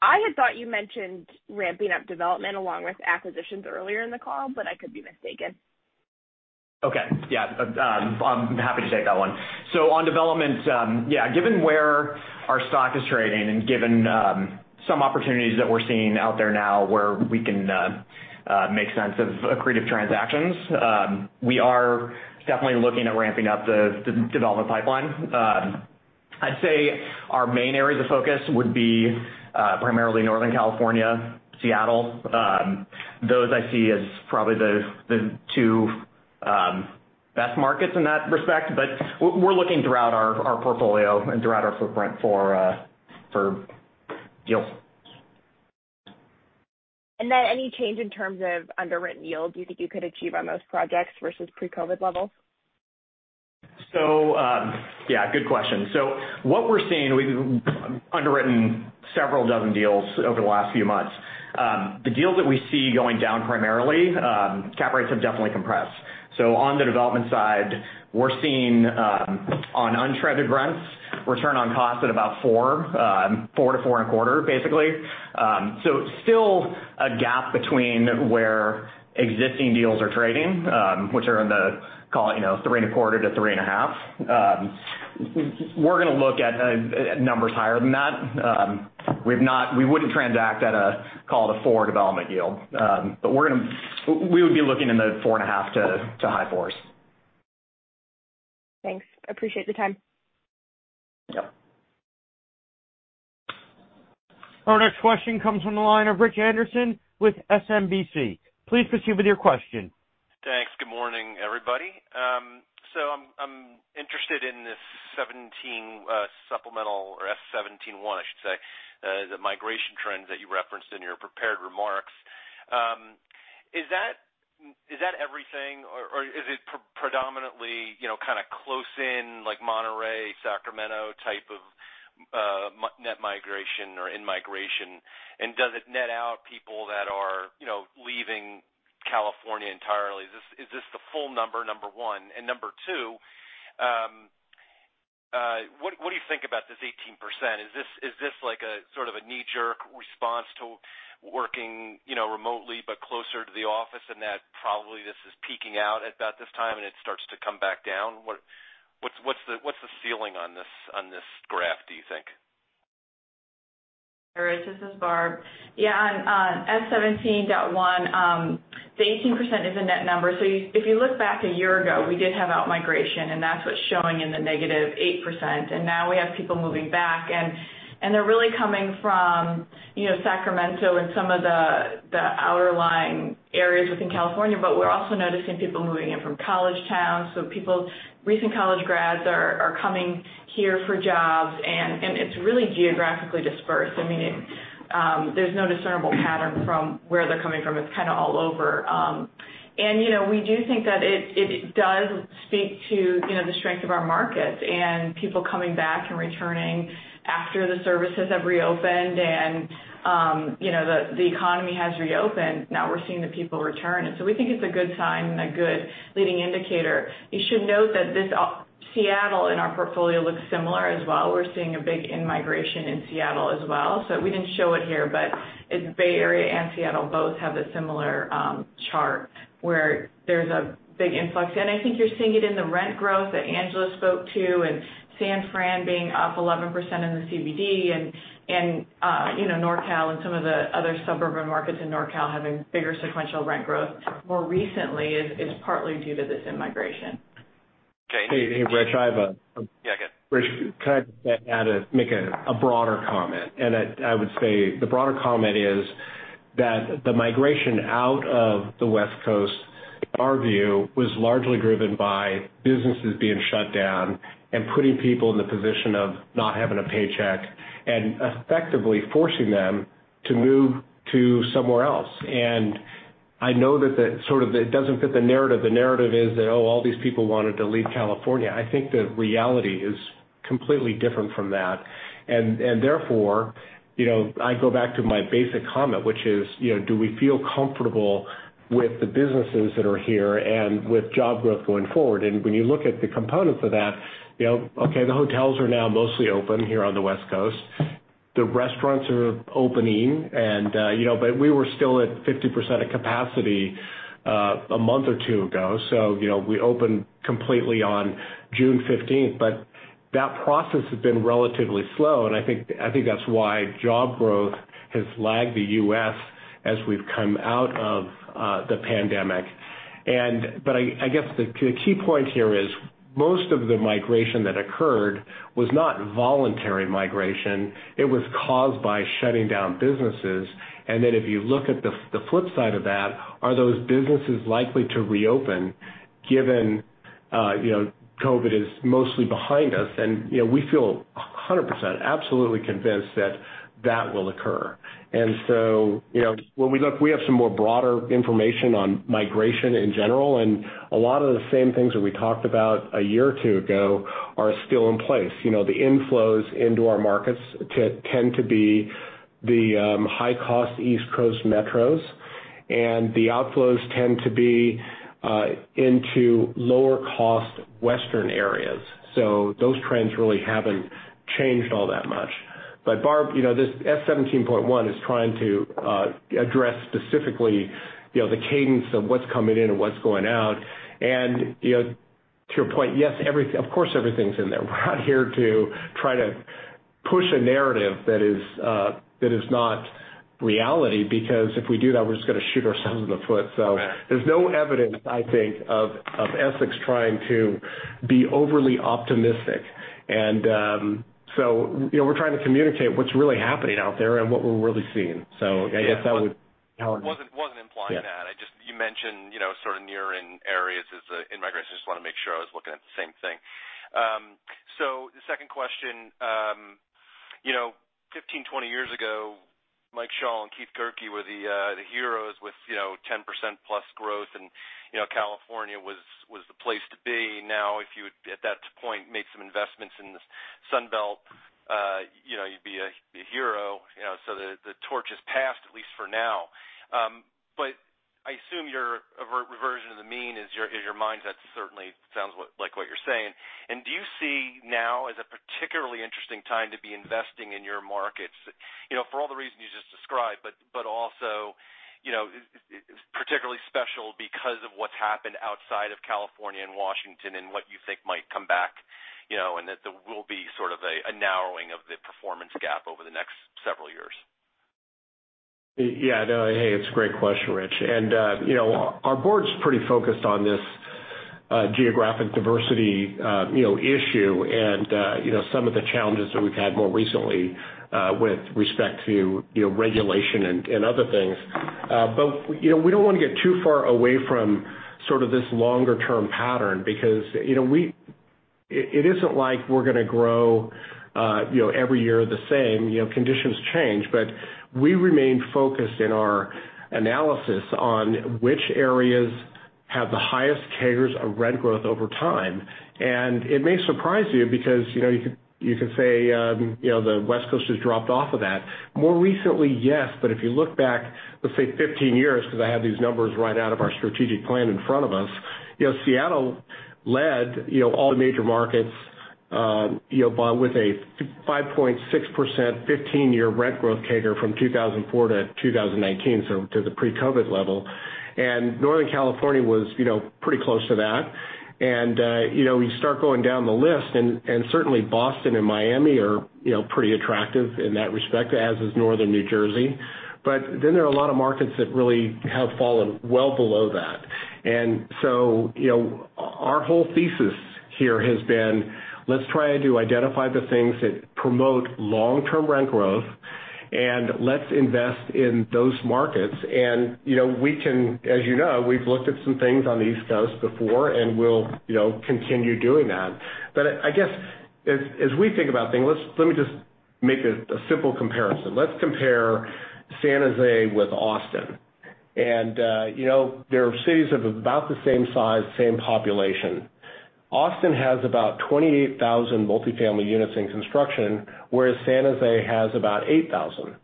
Speaker 10: I had thought you mentioned ramping up development along with acquisitions earlier in the call, but I could be mistaken.
Speaker 6: Okay. Yeah. I'm happy to take that one. On development, yeah, given where our stock is trading and given some opportunities that we're seeing out there now where we can make sense of accretive transactions, we are definitely looking at ramping up the development pipeline. I'd say our main areas of focus would be primarily Northern California, Seattle. Those I see as probably the two best markets in that respect. We're looking throughout our portfolio and throughout our footprint for deals.
Speaker 10: Any change in terms of underwritten yields you think you could achieve on those projects versus pre-COVID levels?
Speaker 6: Yeah, good question. What we're seeing, we've underwritten several dozen deals over the last few months. The deals that we see going down primarily, cap rates have definitely compressed. On the development side, we're seeing on untrended rents, return on cost at about 4%-4.25%, basically. Still a gap between where existing deals are trading, which are in the, call it, 3.25%-3.5%. We're going to look at numbers higher than that. We wouldn't transact at a call it a 4% development yield. We would be looking in the 4.5% to high fours.
Speaker 10: Thanks. I appreciate the time.
Speaker 6: Yep.
Speaker 1: Our next question comes from the line of Rich Anderson with SMBC. Please proceed with your question.
Speaker 11: Thanks. Good morning, everybody. I'm interested in this 17 supplemental, or S-17.1, I should say, the migration trends that you referenced in your prepared remarks. Is that everything, or is it predominantly kind of close in, like Monterey, Sacramento type of net migration or in-migration, and does it net out people that are leaving California entirely? Is this the full number one? Number two, what do you think about this 18%? Is this sort of a knee-jerk response to working remotely but closer to the office, and that probably this is peaking out at about this time, and it starts to come back down? What's the ceiling on this graph, do you think?
Speaker 4: Rich, this is Barb. Yeah, on S-17.1, the 18% is a net number. If you look back a year ago, we did have out-migration, and that's what's showing in the negative 8%. Now we have people moving back, and they're really coming from Sacramento and some of the outlying areas within California. We're also noticing people moving in from college towns. Recent college grads are coming here for jobs, and it's really geographically dispersed. There's no discernible pattern from where they're coming from. It's kind of all over. We do think that it does speak to the strength of our markets and people coming back and returning after the services have reopened and the economy has reopened. Now we're seeing the people return, and we think it's a good sign and a good leading indicator. You should note that Seattle in our portfolio looks similar as well. We're seeing a big in-migration in Seattle as well. We didn't show it here, but Bay Area and Seattle both have a similar chart where there's a big influx. I think you're seeing it in the rent growth that Angela spoke to, San Fran being up 11% in the CBD, NorCal and some of the other suburban markets in NorCal having bigger sequential rent growth more recently is partly due to this in-migration.
Speaker 11: Okay.
Speaker 2: Hey, Rich.
Speaker 11: Yeah, go ahead.
Speaker 2: Rich, can I just add, make a broader comment? I would say the broader comment is that the migration out of the West Coast, in our view, was largely driven by businesses being shut down and putting people in the position of not having a paycheck and effectively forcing them to move to somewhere else. I know that it doesn't fit the narrative. The narrative is that, oh, all these people wanted to leave California. I think the reality is completely different from that. Therefore, I go back to my basic comment, which is, do we feel comfortable with the businesses that are here and with job growth going forward? When you look at the components of that, okay, the hotels are now mostly open here on the West Coast. The restaurants are opening. We were still at 50% of capacity a month or two ago. We opened completely on June 15th. That process has been relatively slow, and I think that's why job growth has lagged the U.S. as we've come out of the pandemic. I guess the key point here is most of the migration that occurred was not voluntary migration. It was caused by shutting down businesses. If you look at the flip side of that, are those businesses likely to reopen given COVID is mostly behind us? We feel 100% absolutely convinced that that will occur. When we look, we have some more broader information on migration in general, and a lot of the same things that we talked about a year or two ago are still in place. The inflows into our markets tend to be the high-cost East Coast metros, and the outflows tend to be into lower-cost Western areas. Those trends really haven't changed all that much. Barb, this S-17.1 is trying to address specifically the cadence of what's coming in and what's going out. To your point, yes, of course, everything's in there. We're not here to try to push a narrative that is not reality, because if we do that, we're just going to shoot ourselves in the foot. There's no evidence, I think, of Essex trying to be overly optimistic. We're trying to communicate what's really happening out there and what we're really seeing. I guess that would.
Speaker 11: I wasn't implying that.
Speaker 2: Yeah.
Speaker 11: You mentioned sort of near-in areas as in-migration. I just want to make sure I was looking at the same thing. The second question, 15, 20 years ago, Michael Schall and Keith Guericke were the heroes with 10% plus growth, and California was the place to be. Now, if you would, at that point, make some investments in the Sun Belt, you'd be a hero. The torch has passed, at least for now. I assume your reversion to the mean is your mindset certainly sounds like what you're saying. Do you see now as a particularly interesting time to be investing in your markets? For all the reasons you just described, but also particularly special because of what's happened outside of California and Washington and what you think might come back, and that there will be sort of a narrowing of the performance gap over the next several years.
Speaker 2: No, hey, it's a great question, Rich. Our board's pretty focused on this geographic diversity issue and some of the challenges that we've had more recently with respect to regulation and other things. We don't want to get too far away from sort of this longer-term pattern because it isn't like we're going to grow every year the same. Conditions change. We remain focused in our analysis on which areas have the highest CAGRs of rent growth over time. It may surprise you because you could say the West Coast has dropped off of that. More recently, yes, but if you look back, let's say 15 years, because I have these numbers right out of our strategic plan in front of us, Seattle led all the major markets with a 5.6% 15-year rent growth CAGR from 2004 to 2019, so to the pre-COVID level. Northern California was pretty close to that. You start going down the list, certainly Boston and Miami are pretty attractive in that respect, as is Northern New Jersey. There are a lot of markets that really have fallen well below that. Our whole thesis here has been, let's try to identify the things that promote long-term rent growth, and let's invest in those markets. As you know, we've looked at some things on the East Coast before, and we'll continue doing that. I guess, as we think about things, let me just make a simple comparison. Let's compare San Jose with Austin. They're cities of about the same size, same population. Austin has about 28,000 multi-family units in construction, whereas San Jose has about 8,000.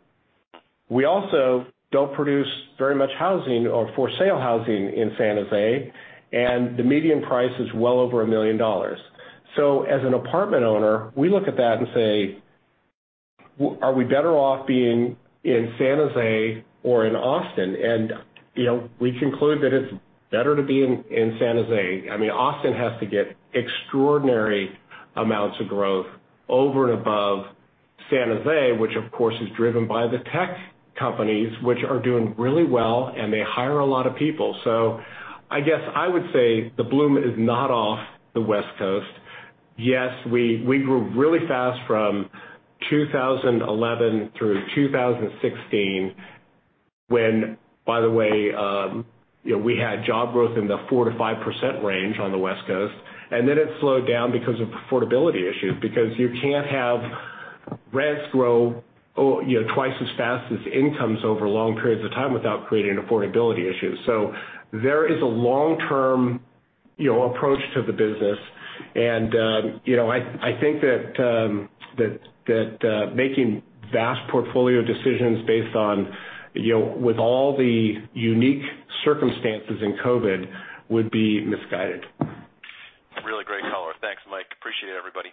Speaker 2: We also don't produce very much housing or for-sale housing in San Jose, and the median price is well over $1 million. As an apartment owner, we look at that and say, "Are we better off being in San Jose or in Austin?" We conclude that it's better to be in San Jose. Austin has to get extraordinary amounts of growth over and above San Jose, which of course, is driven by the tech companies, which are doing really well, and they hire a lot of people. I guess I would say the bloom is not off the West Coast. Yes, we grew really fast from 2011 through 2016 when, by the way, we had job growth in the 4%-5% range on the West Coast. Then it slowed down because of affordability issues, because you can't have rents grow twice as fast as incomes over long periods of time without creating affordability issues. There is a long-term approach to the business, I think that making vast portfolio decisions based on with all the unique circumstances in COVID would be misguided.
Speaker 11: Really great color. Thanks, Mike. Appreciate it, everybody.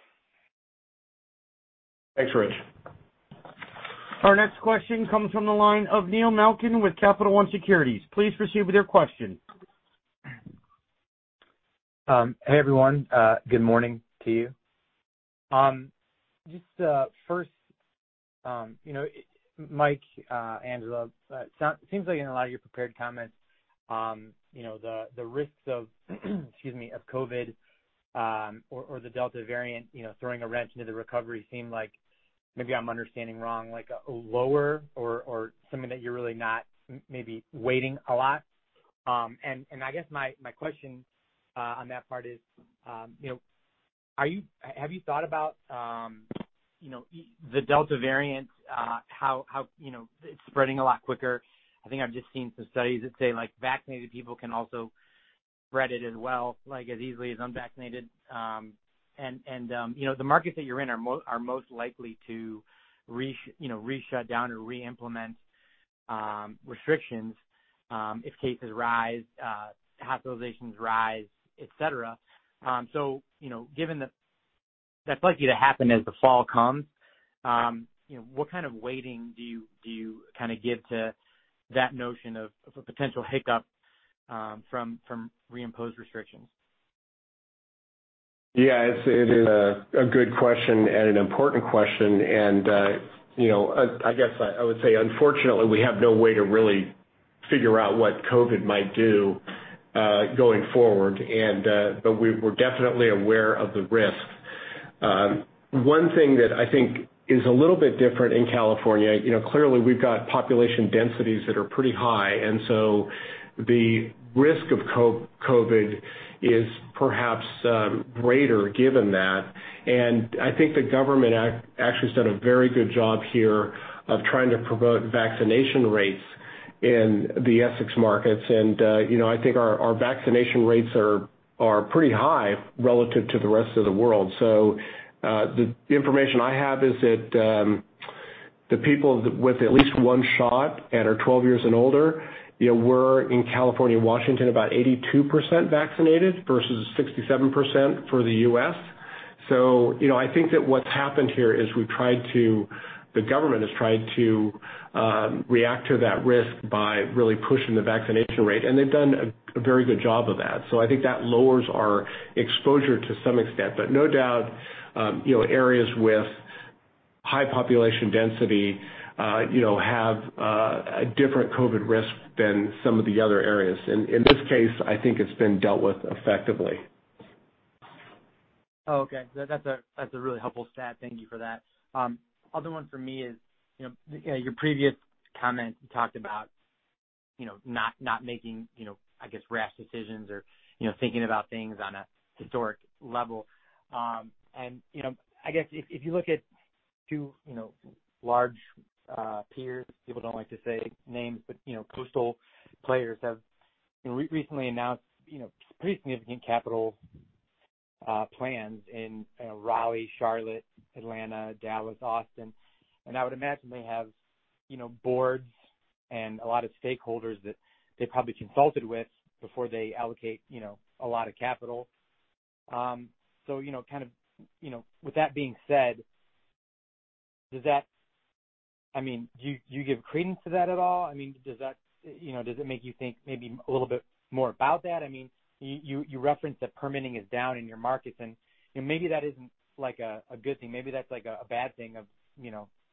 Speaker 2: Thanks, Rich.
Speaker 1: Our next question comes from the line of Neil Malkin with Capital One Securities. Please proceed with your question.
Speaker 12: Hey, everyone. Good morning to you. Just first, Mike, Angela, it seems like in a lot of your prepared comments the risks of excuse me, of COVID, or the Delta variant throwing a wrench into the recovery seem like, maybe I'm understanding wrong, like lower or something that you're really not maybe weighting a lot. I guess my question on that part is, have you thought about the Delta variant, how it's spreading a lot quicker? I think I've just seen some studies that say vaccinated people can also spread it as well as easily as unvaccinated. The markets that you're in are most likely to re-shut down or re-implement restrictions if cases rise, hospitalizations rise, et cetera. Given that that's likely to happen as the fall comes, what kind of weighting do you kind of give to that notion of a potential hiccup from re-imposed restrictions?
Speaker 2: Yeah. It is a good question and an important question, and I guess I would say, unfortunately, we have no way to really figure out what COVID might do going forward. We're definitely aware of the risk. One thing that I think is a little bit different in California, clearly we've got population densities that are pretty high, and so the risk of COVID is perhaps greater given that. I think the government actually has done a very good job here of trying to promote vaccination rates in the Essex markets. I think our vaccination rates are pretty high relative to the rest of the world. The information I have is that the people with at least one shot and are 12 years and older were, in California and Washington, about 82% vaccinated versus 67% for the U.S. I think that what's happened here is the government has tried to react to that risk by really pushing the vaccination rate, and they've done a very good job of that. No doubt, areas with high population density have a different COVID risk than some of the other areas. In this case, I think it's been dealt with effectively.
Speaker 12: Okay. That's a really helpful stat. Thank you for that. Other one for me is, your previous comment, you talked about not making, I guess, rash decisions or thinking about things on a historic level. I guess if you look at two large peers, people don't like to say names, but coastal players have recently announced pretty significant capital plans in Raleigh, Charlotte, Atlanta, Dallas, Austin, and I would imagine they have boards and a lot of stakeholders that they probably consulted with before they allocate a lot of capital. With that being said, do you give credence to that at all? Does it make you think maybe a little bit more about that? You referenced that permitting is down in your markets, and maybe that isn't a good thing. Maybe that's a bad thing of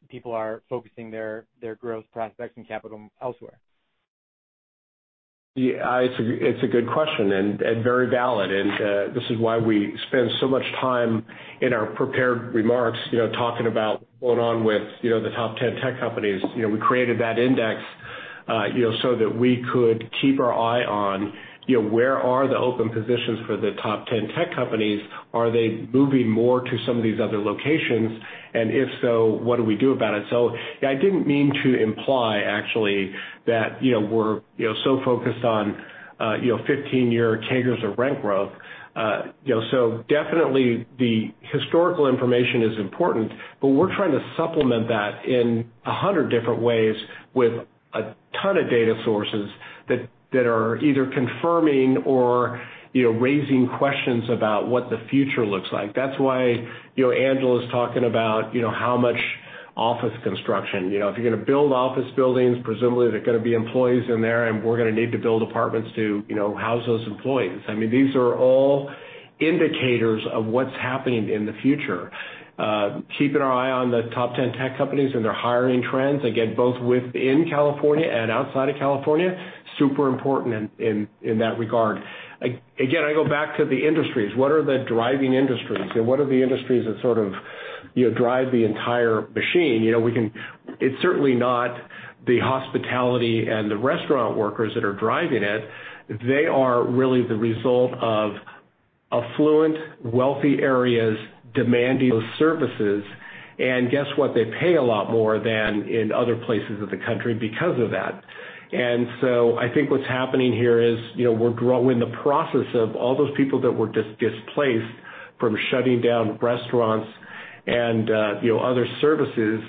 Speaker 12: people are focusing their growth prospects and capital elsewhere.
Speaker 2: Yeah. It's a good question, and very valid. This is why we spend so much time in our prepared remarks talking about what's going on with the top 10 tech companies. We created that index so that we could keep our eye on where are the open positions for the top 10 tech companies. Are they moving more to some of these other locations? If so, what do we do about it? Yeah, I didn't mean to imply actually that we're so focused on 15-year CAGRs of rent growth. Definitely the historical information is important, but we're trying to supplement that in 100 different ways with a ton of data sources that are either confirming or raising questions about what the future looks like. That's why Angela's talking about how much office construction. If you're going to build office buildings, presumably there are going to be employees in there, and we're going to need to build apartments to house those employees. These are all indicators of what's happening in the future. Keeping our eye on the top 10 tech companies and their hiring trends, both within California and outside of California, super important in that regard. I go back to the industries. What are the driving industries? What are the industries that sort of drive the entire machine? It's certainly not the hospitality and the restaurant workers that are driving it. They are really the result of affluent, wealthy areas demanding those services. Guess what? They pay a lot more than in other places of the country because of that. I think what's happening here is we're in the process of all those people that were displaced from shutting down restaurants and other services,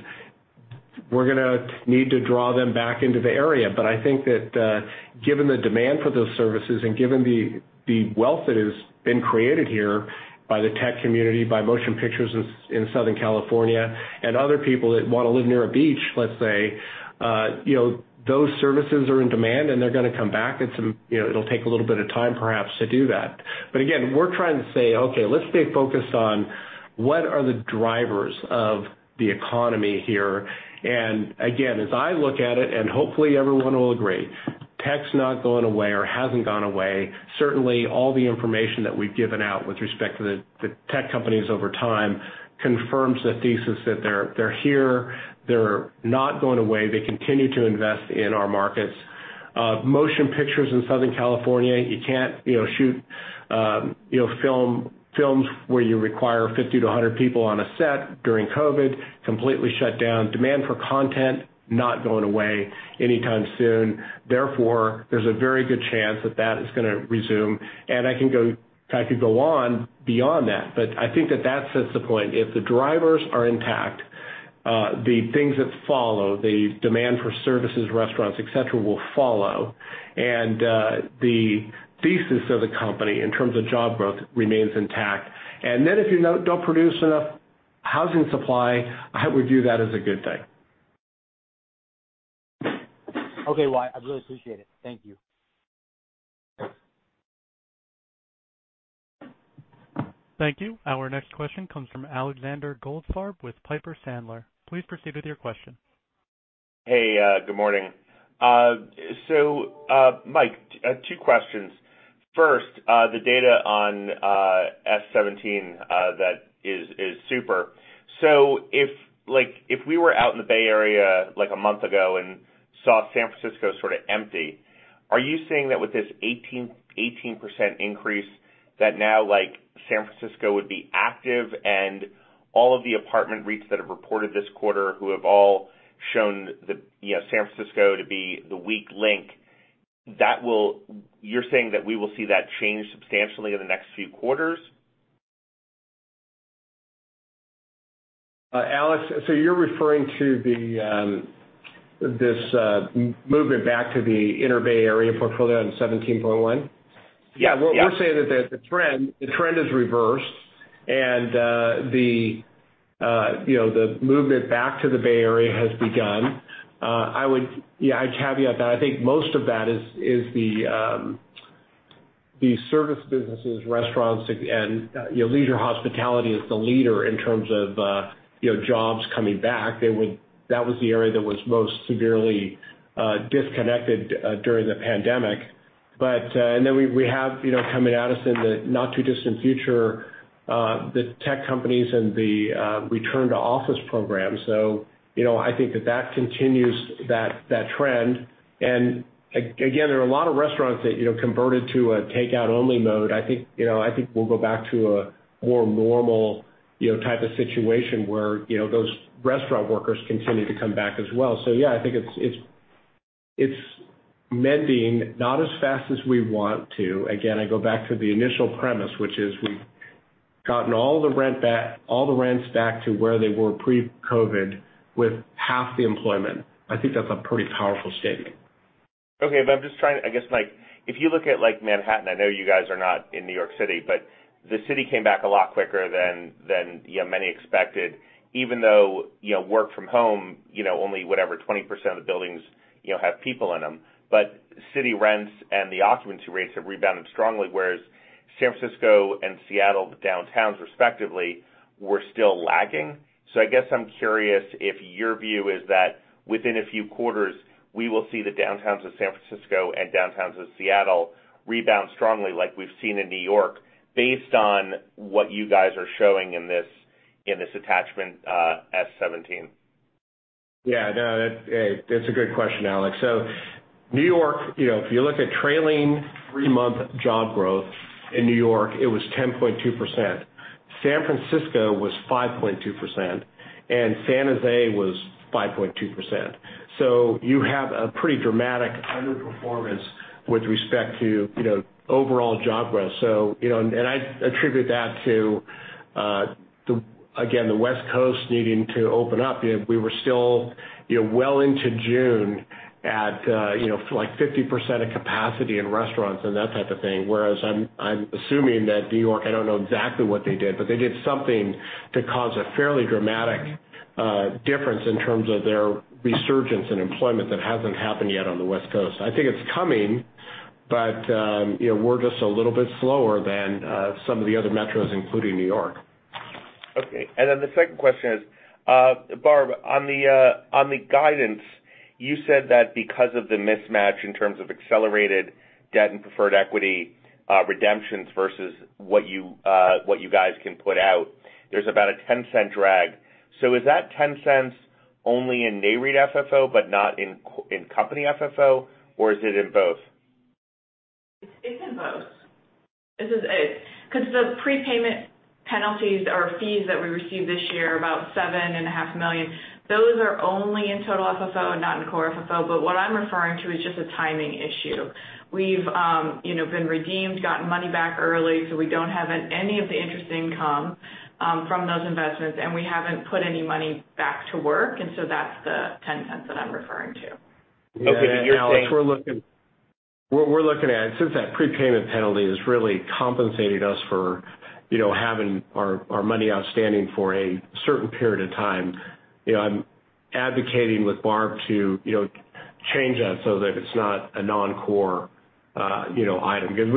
Speaker 2: we're going to need to draw them back into the area. I think that given the demand for those services and given the wealth that has been created here by the tech community, by motion pictures in Southern California, and other people that want to live near a beach, let's say, those services are in demand, and they're going to come back. It'll take a little bit of time, perhaps, to do that. Again, we're trying to say, okay, let's stay focused on what are the drivers of the economy here. Again, as I look at it, and hopefully everyone will agree, tech's not going away or hasn't gone away. Certainly, all the information that we've given out with respect to the tech companies over time confirms the thesis that they're here, they're not going away. They continue to invest in our markets. Motion pictures in Southern California, you can't shoot films where you require 50 to 100 people on a set during COVID. Completely shut down. Demand for content is not going away anytime soon. There's a very good chance that that is going to resume. I could go on beyond that, but I think that that sets the point. If the drivers are intact, the things that follow, the demand for services, restaurants, et cetera, will follow. The thesis of the company in terms of job growth remains intact. If you don't produce enough housing supply, I would view that as a good thing.
Speaker 12: Okay, Why. I really appreciate it. Thank you.
Speaker 1: Thank you. Our next question comes from Alexander Goldfarb with Piper Sandler. Please proceed with your question.
Speaker 13: Hey, good morning. Mike, two questions. First, the data on S-17, that is super. If we were out in the Bay Area a month ago and saw San Francisco sort of empty, are you saying that with this 18% increase that now San Francisco would be active and all of the apartment REITs that have reported this quarter who have all shown San Francisco to be the weak link, you're saying that we will see that change substantially in the next few quarters?
Speaker 2: Alex, you're referring to this movement back to the inner Bay Area portfolio in S-17.1?
Speaker 13: Yeah.
Speaker 2: We're saying that the trend is reversed and the movement back to the Bay Area has begun. I'd caveat that. I think most of that is The service businesses, restaurants, and leisure hospitality is the leader in terms of jobs coming back. That was the area that was most severely disconnected during the pandemic. We have, coming at us in the not-too-distant future, the tech companies and the return to office program. I think that continues that trend. There are a lot of restaurants that converted to a takeout-only mode. I think we'll go back to a more normal type of situation where those restaurant workers continue to come back as well. Yeah, I think it's mending, not as fast as we want to.I go back to the initial premise, which is we've gotten all the rents back to where they were pre-COVID with half the employment. I think that's a pretty powerful statement.
Speaker 13: Okay. I'm just trying, if you look at Manhattan, I know you guys are not in New York City, the city came back a lot quicker than many expected, even though work from home, only whatever, 20% of the buildings have people in them. City rents and the occupancy rates have rebounded strongly, whereas San Francisco and Seattle downtowns respectively, were still lagging. I guess I'm curious if your view is that within a few quarters, we will see the downtowns of San Francisco and downtowns of Seattle rebound strongly like we've seen in New York based on what you guys are showing in this attachment, S-17.
Speaker 2: Yeah, no. That's a good question, Alex. New York, if you look at trailing three-month job growth in New York, it was 10.2%. San Francisco was 5.2%, and San Jose was 5.2%. You have a pretty dramatic underperformance with respect to overall job growth. I attribute that to, again, the West Coast needing to open up. We were still well into June at 50% of capacity in restaurants and that type of thing, whereas I'm assuming that New York, I don't know exactly what they did, but they did something to cause a fairly dramatic difference in terms of their resurgence in employment that hasn't happened yet on the West Coast. I think it's coming. We're just a little bit slower than some of the other metros, including New York.
Speaker 13: Okay. The second question is, Barb, on the guidance, you said that because of the mismatch in terms of accelerated debt and preferred equity redemptions versus what you guys can put out, there's about a $0.10 drag. Is that $0.10 only in Nareit FFO but not in company FFO, or is it in both?
Speaker 4: It's in both. The prepayment penalties or fees that we received this year, about $7.5 million, those are only in total FFO and not in Core FFO. What I'm referring to is just a timing issue. We've been redeemed, gotten money back early, so we don't have any of the interest income from those investments, and we haven't put any money back to work. That's the $0.10 that I'm referring to.
Speaker 13: Okay.
Speaker 2: Yeah, Alex, what we're looking at, since that prepayment penalty has really compensated us for having our money outstanding for a certain period of time, I'm advocating with Barb to change that so that it's not a non-core item. Because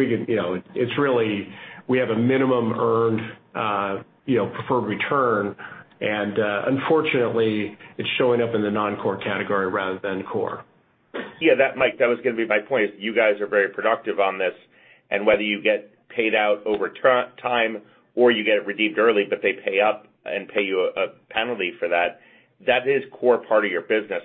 Speaker 2: we have a minimum earned preferred return, and unfortunately, it's showing up in the non-core category rather than core.
Speaker 13: Mike, that was going to be my point, is you guys are very productive on this, and whether you get paid out over time or you get it redeemed early, but they pay up and pay you a penalty for that is core part of your business.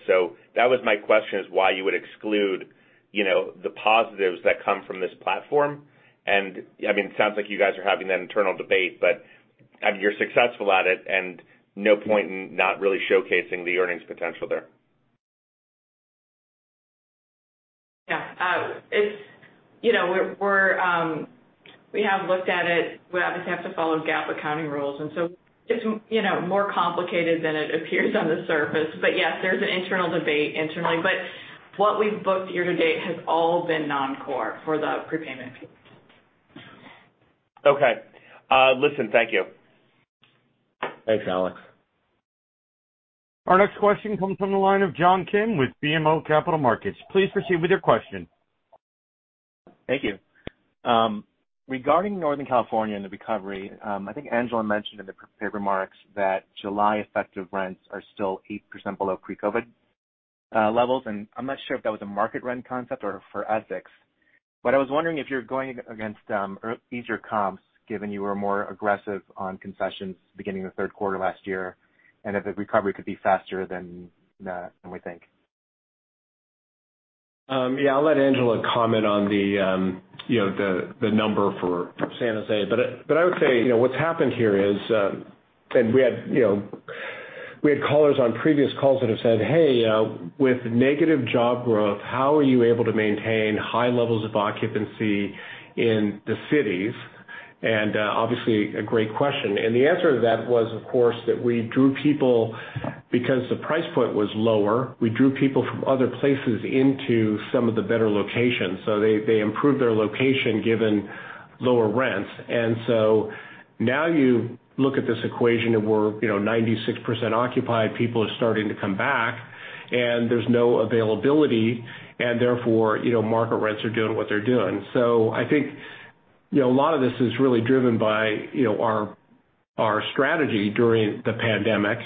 Speaker 13: That was my question, is why you would exclude the positives that come from this platform. It sounds like you guys are having that internal debate, but you're successful at it and no point in not really showcasing the earnings potential there.
Speaker 4: Yeah. We have looked at it. We obviously have to follow GAAP accounting rules, and so it's more complicated than it appears on the surface. Yes, there's an internal debate internally, but what we've booked year to date has all been non-core for the prepayment fees.
Speaker 13: Okay. Listen, thank you.
Speaker 2: Thanks, Alex.
Speaker 1: Our next question comes from the line of John Kim with BMO Capital Markets. Please proceed with your question.
Speaker 14: Thank you. Regarding Northern California and the recovery, I think Angela mentioned in the prepared remarks that July effective rents are still 8% below pre-COVID levels, and I'm not sure if that was a market rent concept or for Essex. I was wondering if you're going against easier comps, given you were more aggressive on concessions beginning the third quarter last year, and if the recovery could be faster than we think.
Speaker 2: Yeah, I'll let Angela comment on the number for San Jose. I would say what's happened here is, and we had callers on previous calls that have said, "Hey, with negative job growth, how are you able to maintain high levels of occupancy in the cities?" Obviously, a great question. The answer to that was, of course, that we drew people because the price point was lower. We drew people from other places into some of the better locations, so they improved their location, given lower rents. Now you look at this equation and we're 96% occupied. People are starting to come back. There's no availability, and therefore, market rents are doing what they're doing. I think a lot of this is really driven by our strategy during the pandemic.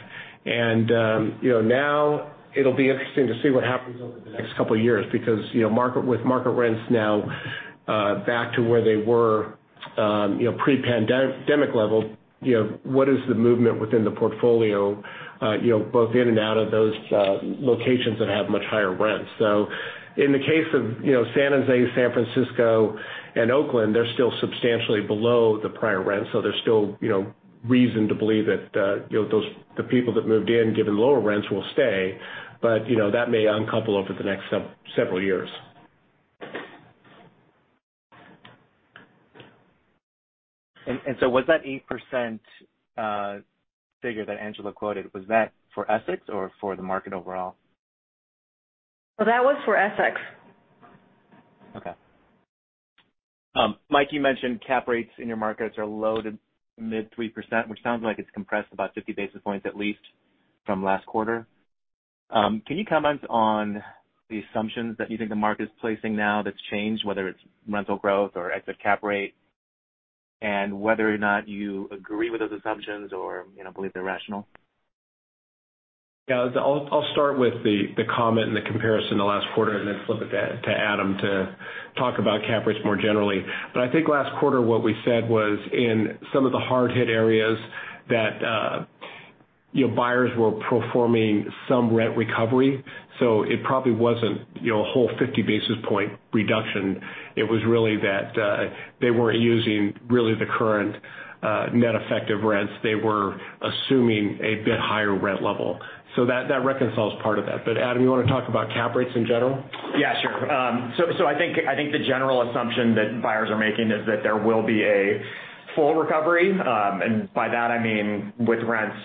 Speaker 2: Now it'll be interesting to see what happens over the next couple of years because with market rents now back to where they were pre-pandemic level, what is the movement within the portfolio, both in and out of those locations that have much higher rents. In the case of San Jose, San Francisco, and Oakland, they're still substantially below the prior rents. There's still reason to believe that the people that moved in, given lower rents, will stay. That may uncouple over the next several years.
Speaker 14: Was that 8% figure that Angela quoted, was that for Essex or for the market overall?
Speaker 3: Well, that was for Essex.
Speaker 14: Okay, Mike, you mentioned cap rates in your markets are low to mid 3%, which sounds like it's compressed about 50 basis points at least from last quarter. Can you comment on the assumptions that you think the market is placing now that's changed, whether it's rental growth or exit cap rate? Whether or not you agree with those assumptions or believe they're rational?
Speaker 2: Yeah. I'll start with the comment and the comparison to last quarter, and then flip it to Adam to talk about cap rates more generally. I think last quarter what we said was in some of the hard-hit areas that buyers were performing some rent recovery. It probably wasn't a whole 50 basis point reduction. It was really that they weren't using really the current net effective rent. They were assuming a bit higher rent level. That reconciles part of that. Adam, you want to talk about cap rates in general?
Speaker 6: Yeah, sure. I think the general assumption that buyers are making is that there will be a full recovery, and by that I mean with rents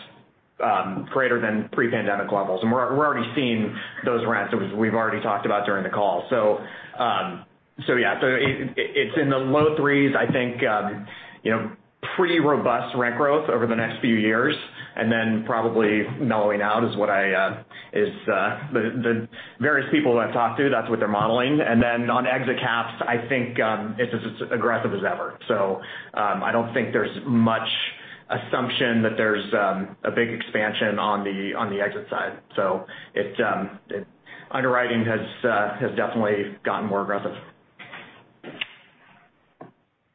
Speaker 6: greater than pre-pandemic levels. We're already seeing those rents as we've already talked about during the call. Yeah. It's in the low threes. I think pretty robust rent growth over the next few years, and then probably mellowing out is the various people that I've talked to, that's what they're modeling. On exit caps, I think it's as aggressive as ever. I don't think there's much assumption that there's a big expansion on the exit side. Underwriting has definitely gotten more aggressive.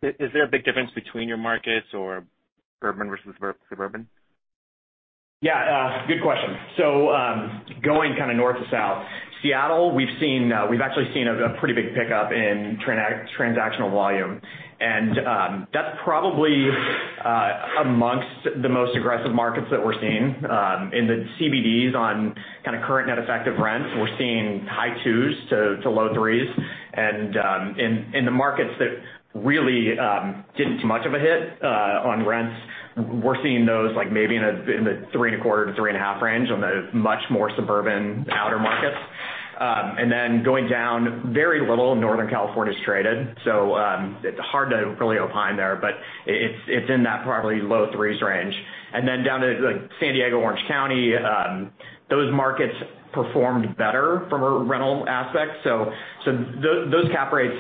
Speaker 14: Is there a big difference between your markets or urban versus suburban?
Speaker 6: Yeah, good question. Going kind of north to south. Seattle, we've actually seen a pretty big pickup in transactional volume, and that's probably amongst the most aggressive markets that we're seeing. In the CBDs on kind of current net effective rent, we're seeing high twos to low threes. In the markets that really didn't take much of a hit on rents, we're seeing those like maybe in the three and a quarter to 3.5 range on the much more suburban outer markets. Going down, very little Northern California is traded, so it's hard to really opine there, but it's in that probably low threes range. Down to San Diego, Orange County, those markets performed better from a rental aspect. Those cap rates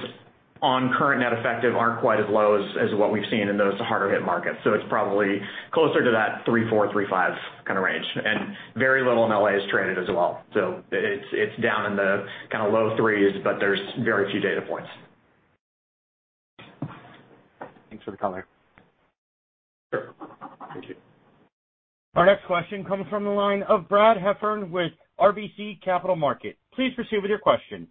Speaker 6: on current net effective aren't quite as low as what we've seen in those harder hit markets. It's probably closer to that 3.4%-3.5% kind of range. Very little in L.A. is traded as well. It's down in the kind of low threes, but there's very few data points.
Speaker 14: Thanks for the color.
Speaker 6: Sure. Thank you.
Speaker 1: Our next question comes from the line of Brad Heffern with RBC Capital Markets. Please proceed with your question.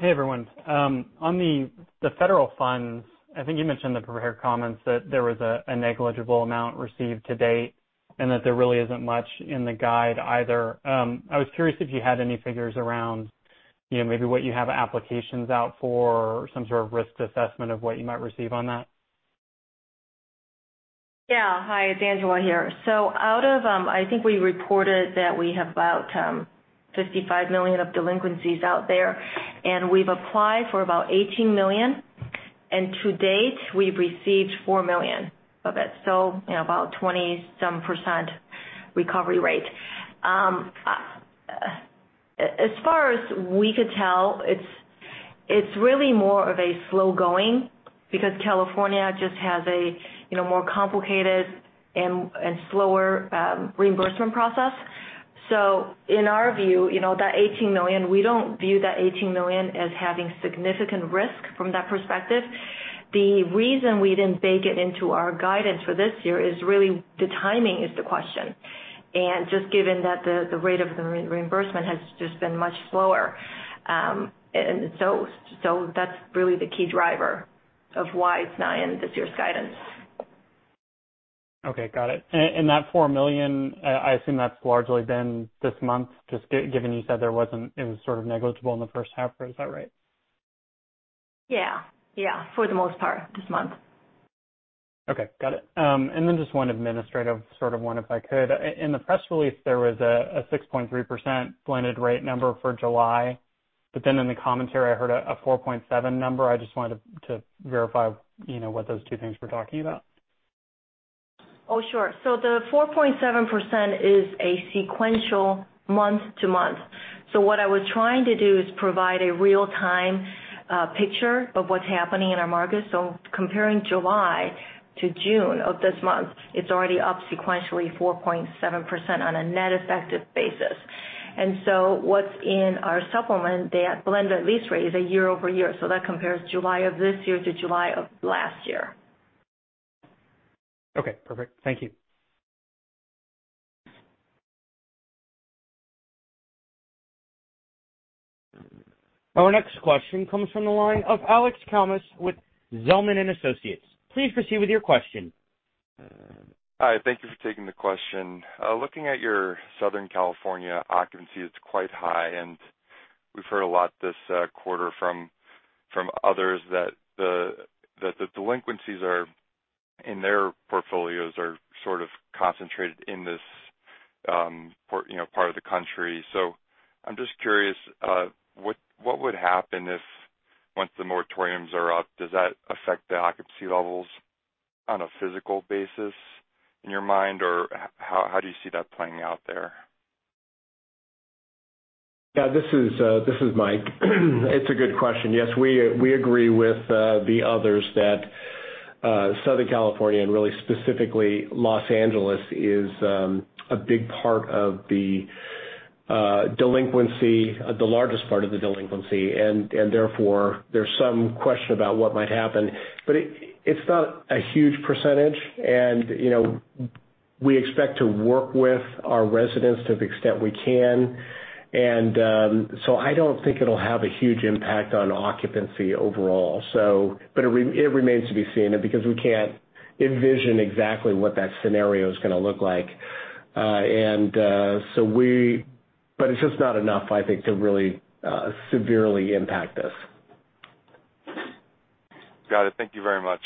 Speaker 15: Hey, everyone. On the federal funds, I think you mentioned in the prepared comments that there was a negligible amount received to date, and that there really isn't much in the guide either. I was curious if you had any figures around maybe what you have applications out for or some sort of risk assessment of what you might receive on that.
Speaker 3: Yeah. Hi, it's Angela here. Out of I think we reported that we have about $55 million of delinquencies out there, and we've applied for about $18 million. To date, we've received $4 million of it. About 20-some% recovery rate. As far as we could tell, it's really more of a slow going because California just has a more complicated and slower reimbursement process. In our view, that $18 million, we don't view that $18 million as having significant risk from that perspective. The reason we didn't bake it into our guidance for this year is really the timing is the question. Just given that the rate of the reimbursement has just been much slower. That's really the key driver of why it's not in this year's guidance.
Speaker 15: Okay, got it. That $4 million, I assume that's largely been this month, just given you said it was sort of negligible in the first half, is that right?
Speaker 3: Yeah. For the most part, this month.
Speaker 15: Okay, got it. Just one administrative sort of one, if I could. In the press release, there was a 6.3% blended rate number for July, but then in the commentary I heard a 4.7% number. I just wanted to verify what those two things we're talking about.
Speaker 3: Oh, sure. The 4.7% is a sequential month-to-month. What I was trying to do is provide a real-time picture of what's happening in our market. Comparing July to June of this month, it's already up sequentially 4.7% on a net effective basis. What's in our supplement, that blended lease rate is a year-over-year, so that compares July of this year to July of last year.
Speaker 15: Okay, perfect. Thank you.
Speaker 1: Our next question comes from the line of Alexander Kalmus with Zelman & Associates. Please proceed with your question.
Speaker 16: Hi. Thank you for taking the question. Looking at your Southern California occupancy, it's quite high, and we've heard a lot this quarter from others that the delinquencies in their portfolios are sort of concentrated in this part of the country. I'm just curious, what would happen if, once the moratoriums are up, does that affect the occupancy levels on a physical basis in your mind, or how do you see that playing out there?
Speaker 2: Yeah, this is Mike. It's a good question. Yes, we agree with the others that Southern California, and really specifically Los Angeles, is a big part of the delinquency, the largest part of the delinquency. Therefore, there's some question about what might happen. It's not a huge percentage, and we expect to work with our residents to the extent we can. I don't think it'll have a huge impact on occupancy overall. It remains to be seen because we can't envision exactly what that scenario is going to look like. It's just not enough, I think, to really severely impact us.
Speaker 16: Got it. Thank you very much.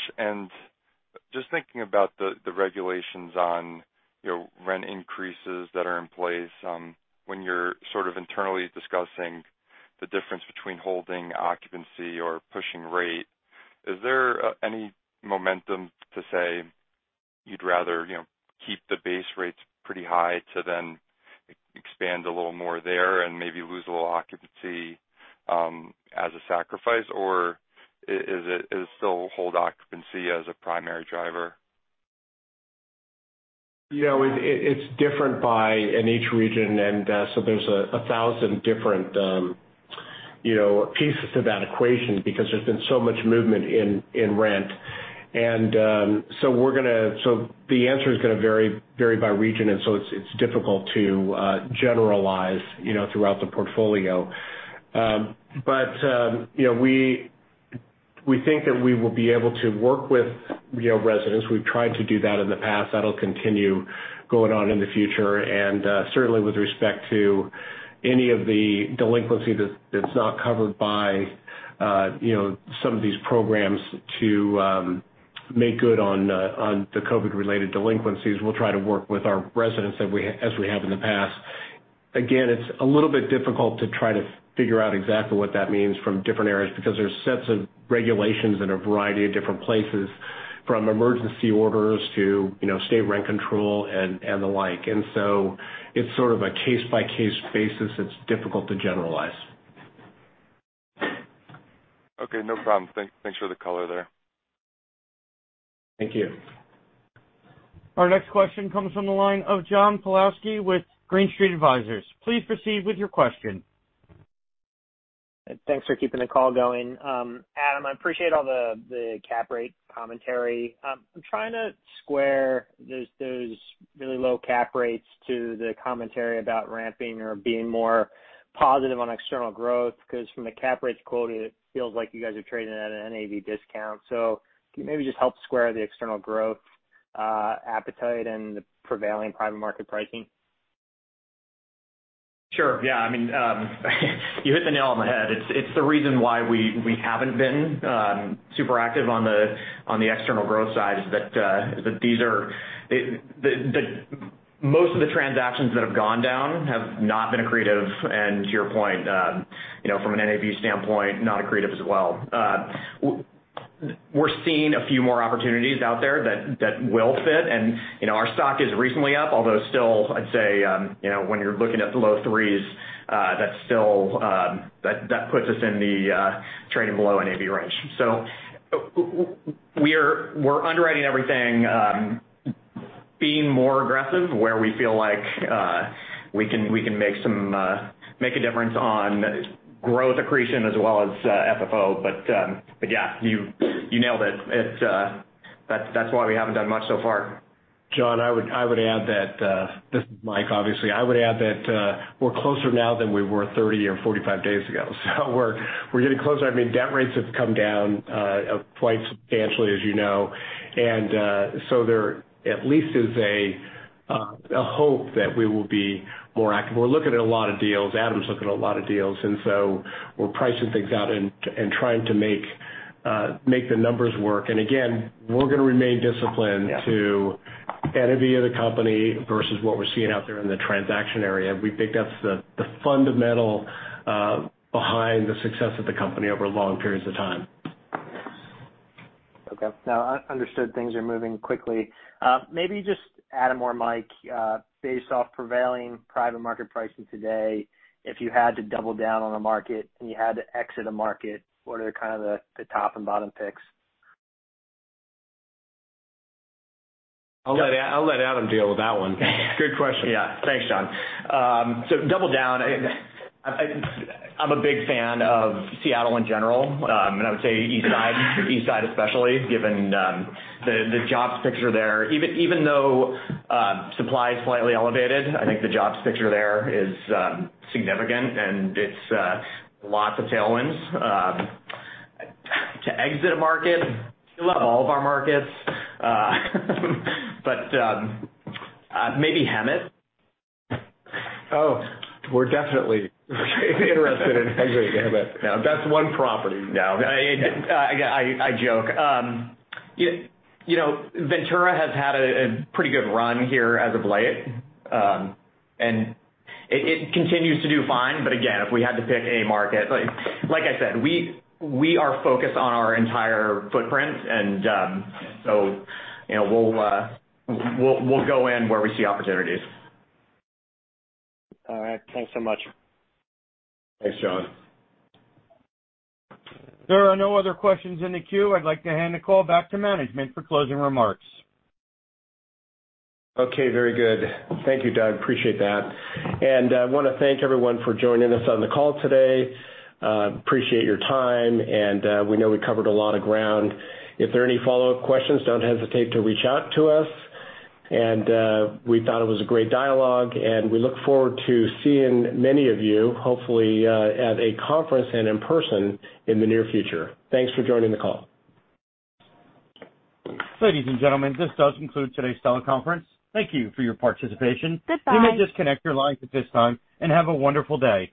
Speaker 16: Just thinking about the regulations on rent increases that are in place, when you're sort of internally discussing the difference between holding occupancy or pushing rate, is there any momentum to say you'd rather keep the base rates pretty high to then expand a little more there and maybe lose a little occupancy as a sacrifice, or is it still hold occupancy as a primary driver?
Speaker 2: It's different in each region, and so there's 1,000 different pieces to that equation because there's been so much movement in rent. The answer is going to vary by region, and so it's difficult to generalize throughout the portfolio. We think that we will be able to work with residents. We've tried to do that in the past. That'll continue going on in the future. Certainly with respect to any of the delinquency that's not covered by some of these programs to make good on the COVID-related delinquencies, we'll try to work with our residents as we have in the past. Again, it's a little bit difficult to try to figure out exactly what that means from different areas because there's sets of regulations in a variety of different places, from emergency orders to state rent control and the like. It's sort of a case-by-case basis. It's difficult to generalize.
Speaker 16: Okay, no problem. Thanks for the color there.
Speaker 2: Thank you.
Speaker 1: Our next question comes from the line of John Pawlowski with Green Street Advisors. Please proceed with your question.
Speaker 17: Thanks for keeping the call going. Adam, I appreciate all the cap rate commentary. I'm trying to square those really low cap rates to the commentary about ramping or being more positive on external growth, because from the cap rates quoted, it feels like you guys are trading at an NAV discount. Can you maybe just help square the external growth appetite and the prevailing private market pricing?
Speaker 6: Sure. Yeah. I mean you hit the nail on the head. It's the reason why we haven't been super active on the external growth side, is that most of the transactions that have gone down have not been accretive, and to your point, from an NAV standpoint, not accretive as well. We're seeing a few more opportunities out there that will fit. Our stock is recently up, although still, I'd say, when you're looking at the low threes, that puts us in the trading below NAV range. We're underwriting everything, being more aggressive where we feel like we can make a difference on growth accretion as well as FFO. Yeah, you nailed it. That's why we haven't done much so far.
Speaker 2: John, this is Mike obviously. I would add that we're closer now than we were 30 or 45 days ago. We're getting closer. I mean, debt rates have come down quite substantially, as you know. There at least is a hope that we will be more active. We're looking at a lot of deals. Adam Berry's looking at a lot of deals, and so we're pricing things out and trying to make the numbers work. Again, we're going to remain disciplined to NAV of the company versus what we're seeing out there in the transaction area, we think that's the fundamental behind the success of the company over long periods of time.
Speaker 17: Okay. Now understood things are moving quickly. Maybe just Adam or Mike, based off prevailing private market pricing today, if you had to double down on a market, and you had to exit a market, what are kind of the top and bottom picks?
Speaker 2: I'll let Adam deal with that one. Good question.
Speaker 6: Thanks, John. Double down, I'm a big fan of Seattle in general, and I would say East Side especially, given the jobs picture there. Even though supply is slightly elevated, I think the jobs picture there is significant and it's lots of tailwinds. To exit a market, we love all of our markets, maybe Hemet.
Speaker 2: Oh, we're definitely interested in exiting Hemet. No, that's one property.
Speaker 6: No, I joke. Ventura has had a pretty good run here as of late. It continues to do fine, but again, if we had to pick a market, Like I said, we are focused on our entire footprint, and so we'll go in where we see opportunities.
Speaker 17: All right. Thanks so much.
Speaker 2: Thanks, John.
Speaker 1: There are no other questions in the queue. I'd like to hand the call back to management for closing remarks.
Speaker 2: Okay, very good. Thank you, Doug. Appreciate that. I want to thank everyone for joining us on the call today. Appreciate your time, and we know we covered a lot of ground. If there are any follow-up questions, don't hesitate to reach out to us. We thought it was a great dialogue, and we look forward to seeing many of you, hopefully, at a conference and in person in the near future. Thanks for joining the call.
Speaker 1: Ladies and gentlemen, this does conclude today's teleconference. Thank you for your participation. Goodbye. You may disconnect your lines at this time, and have a wonderful day.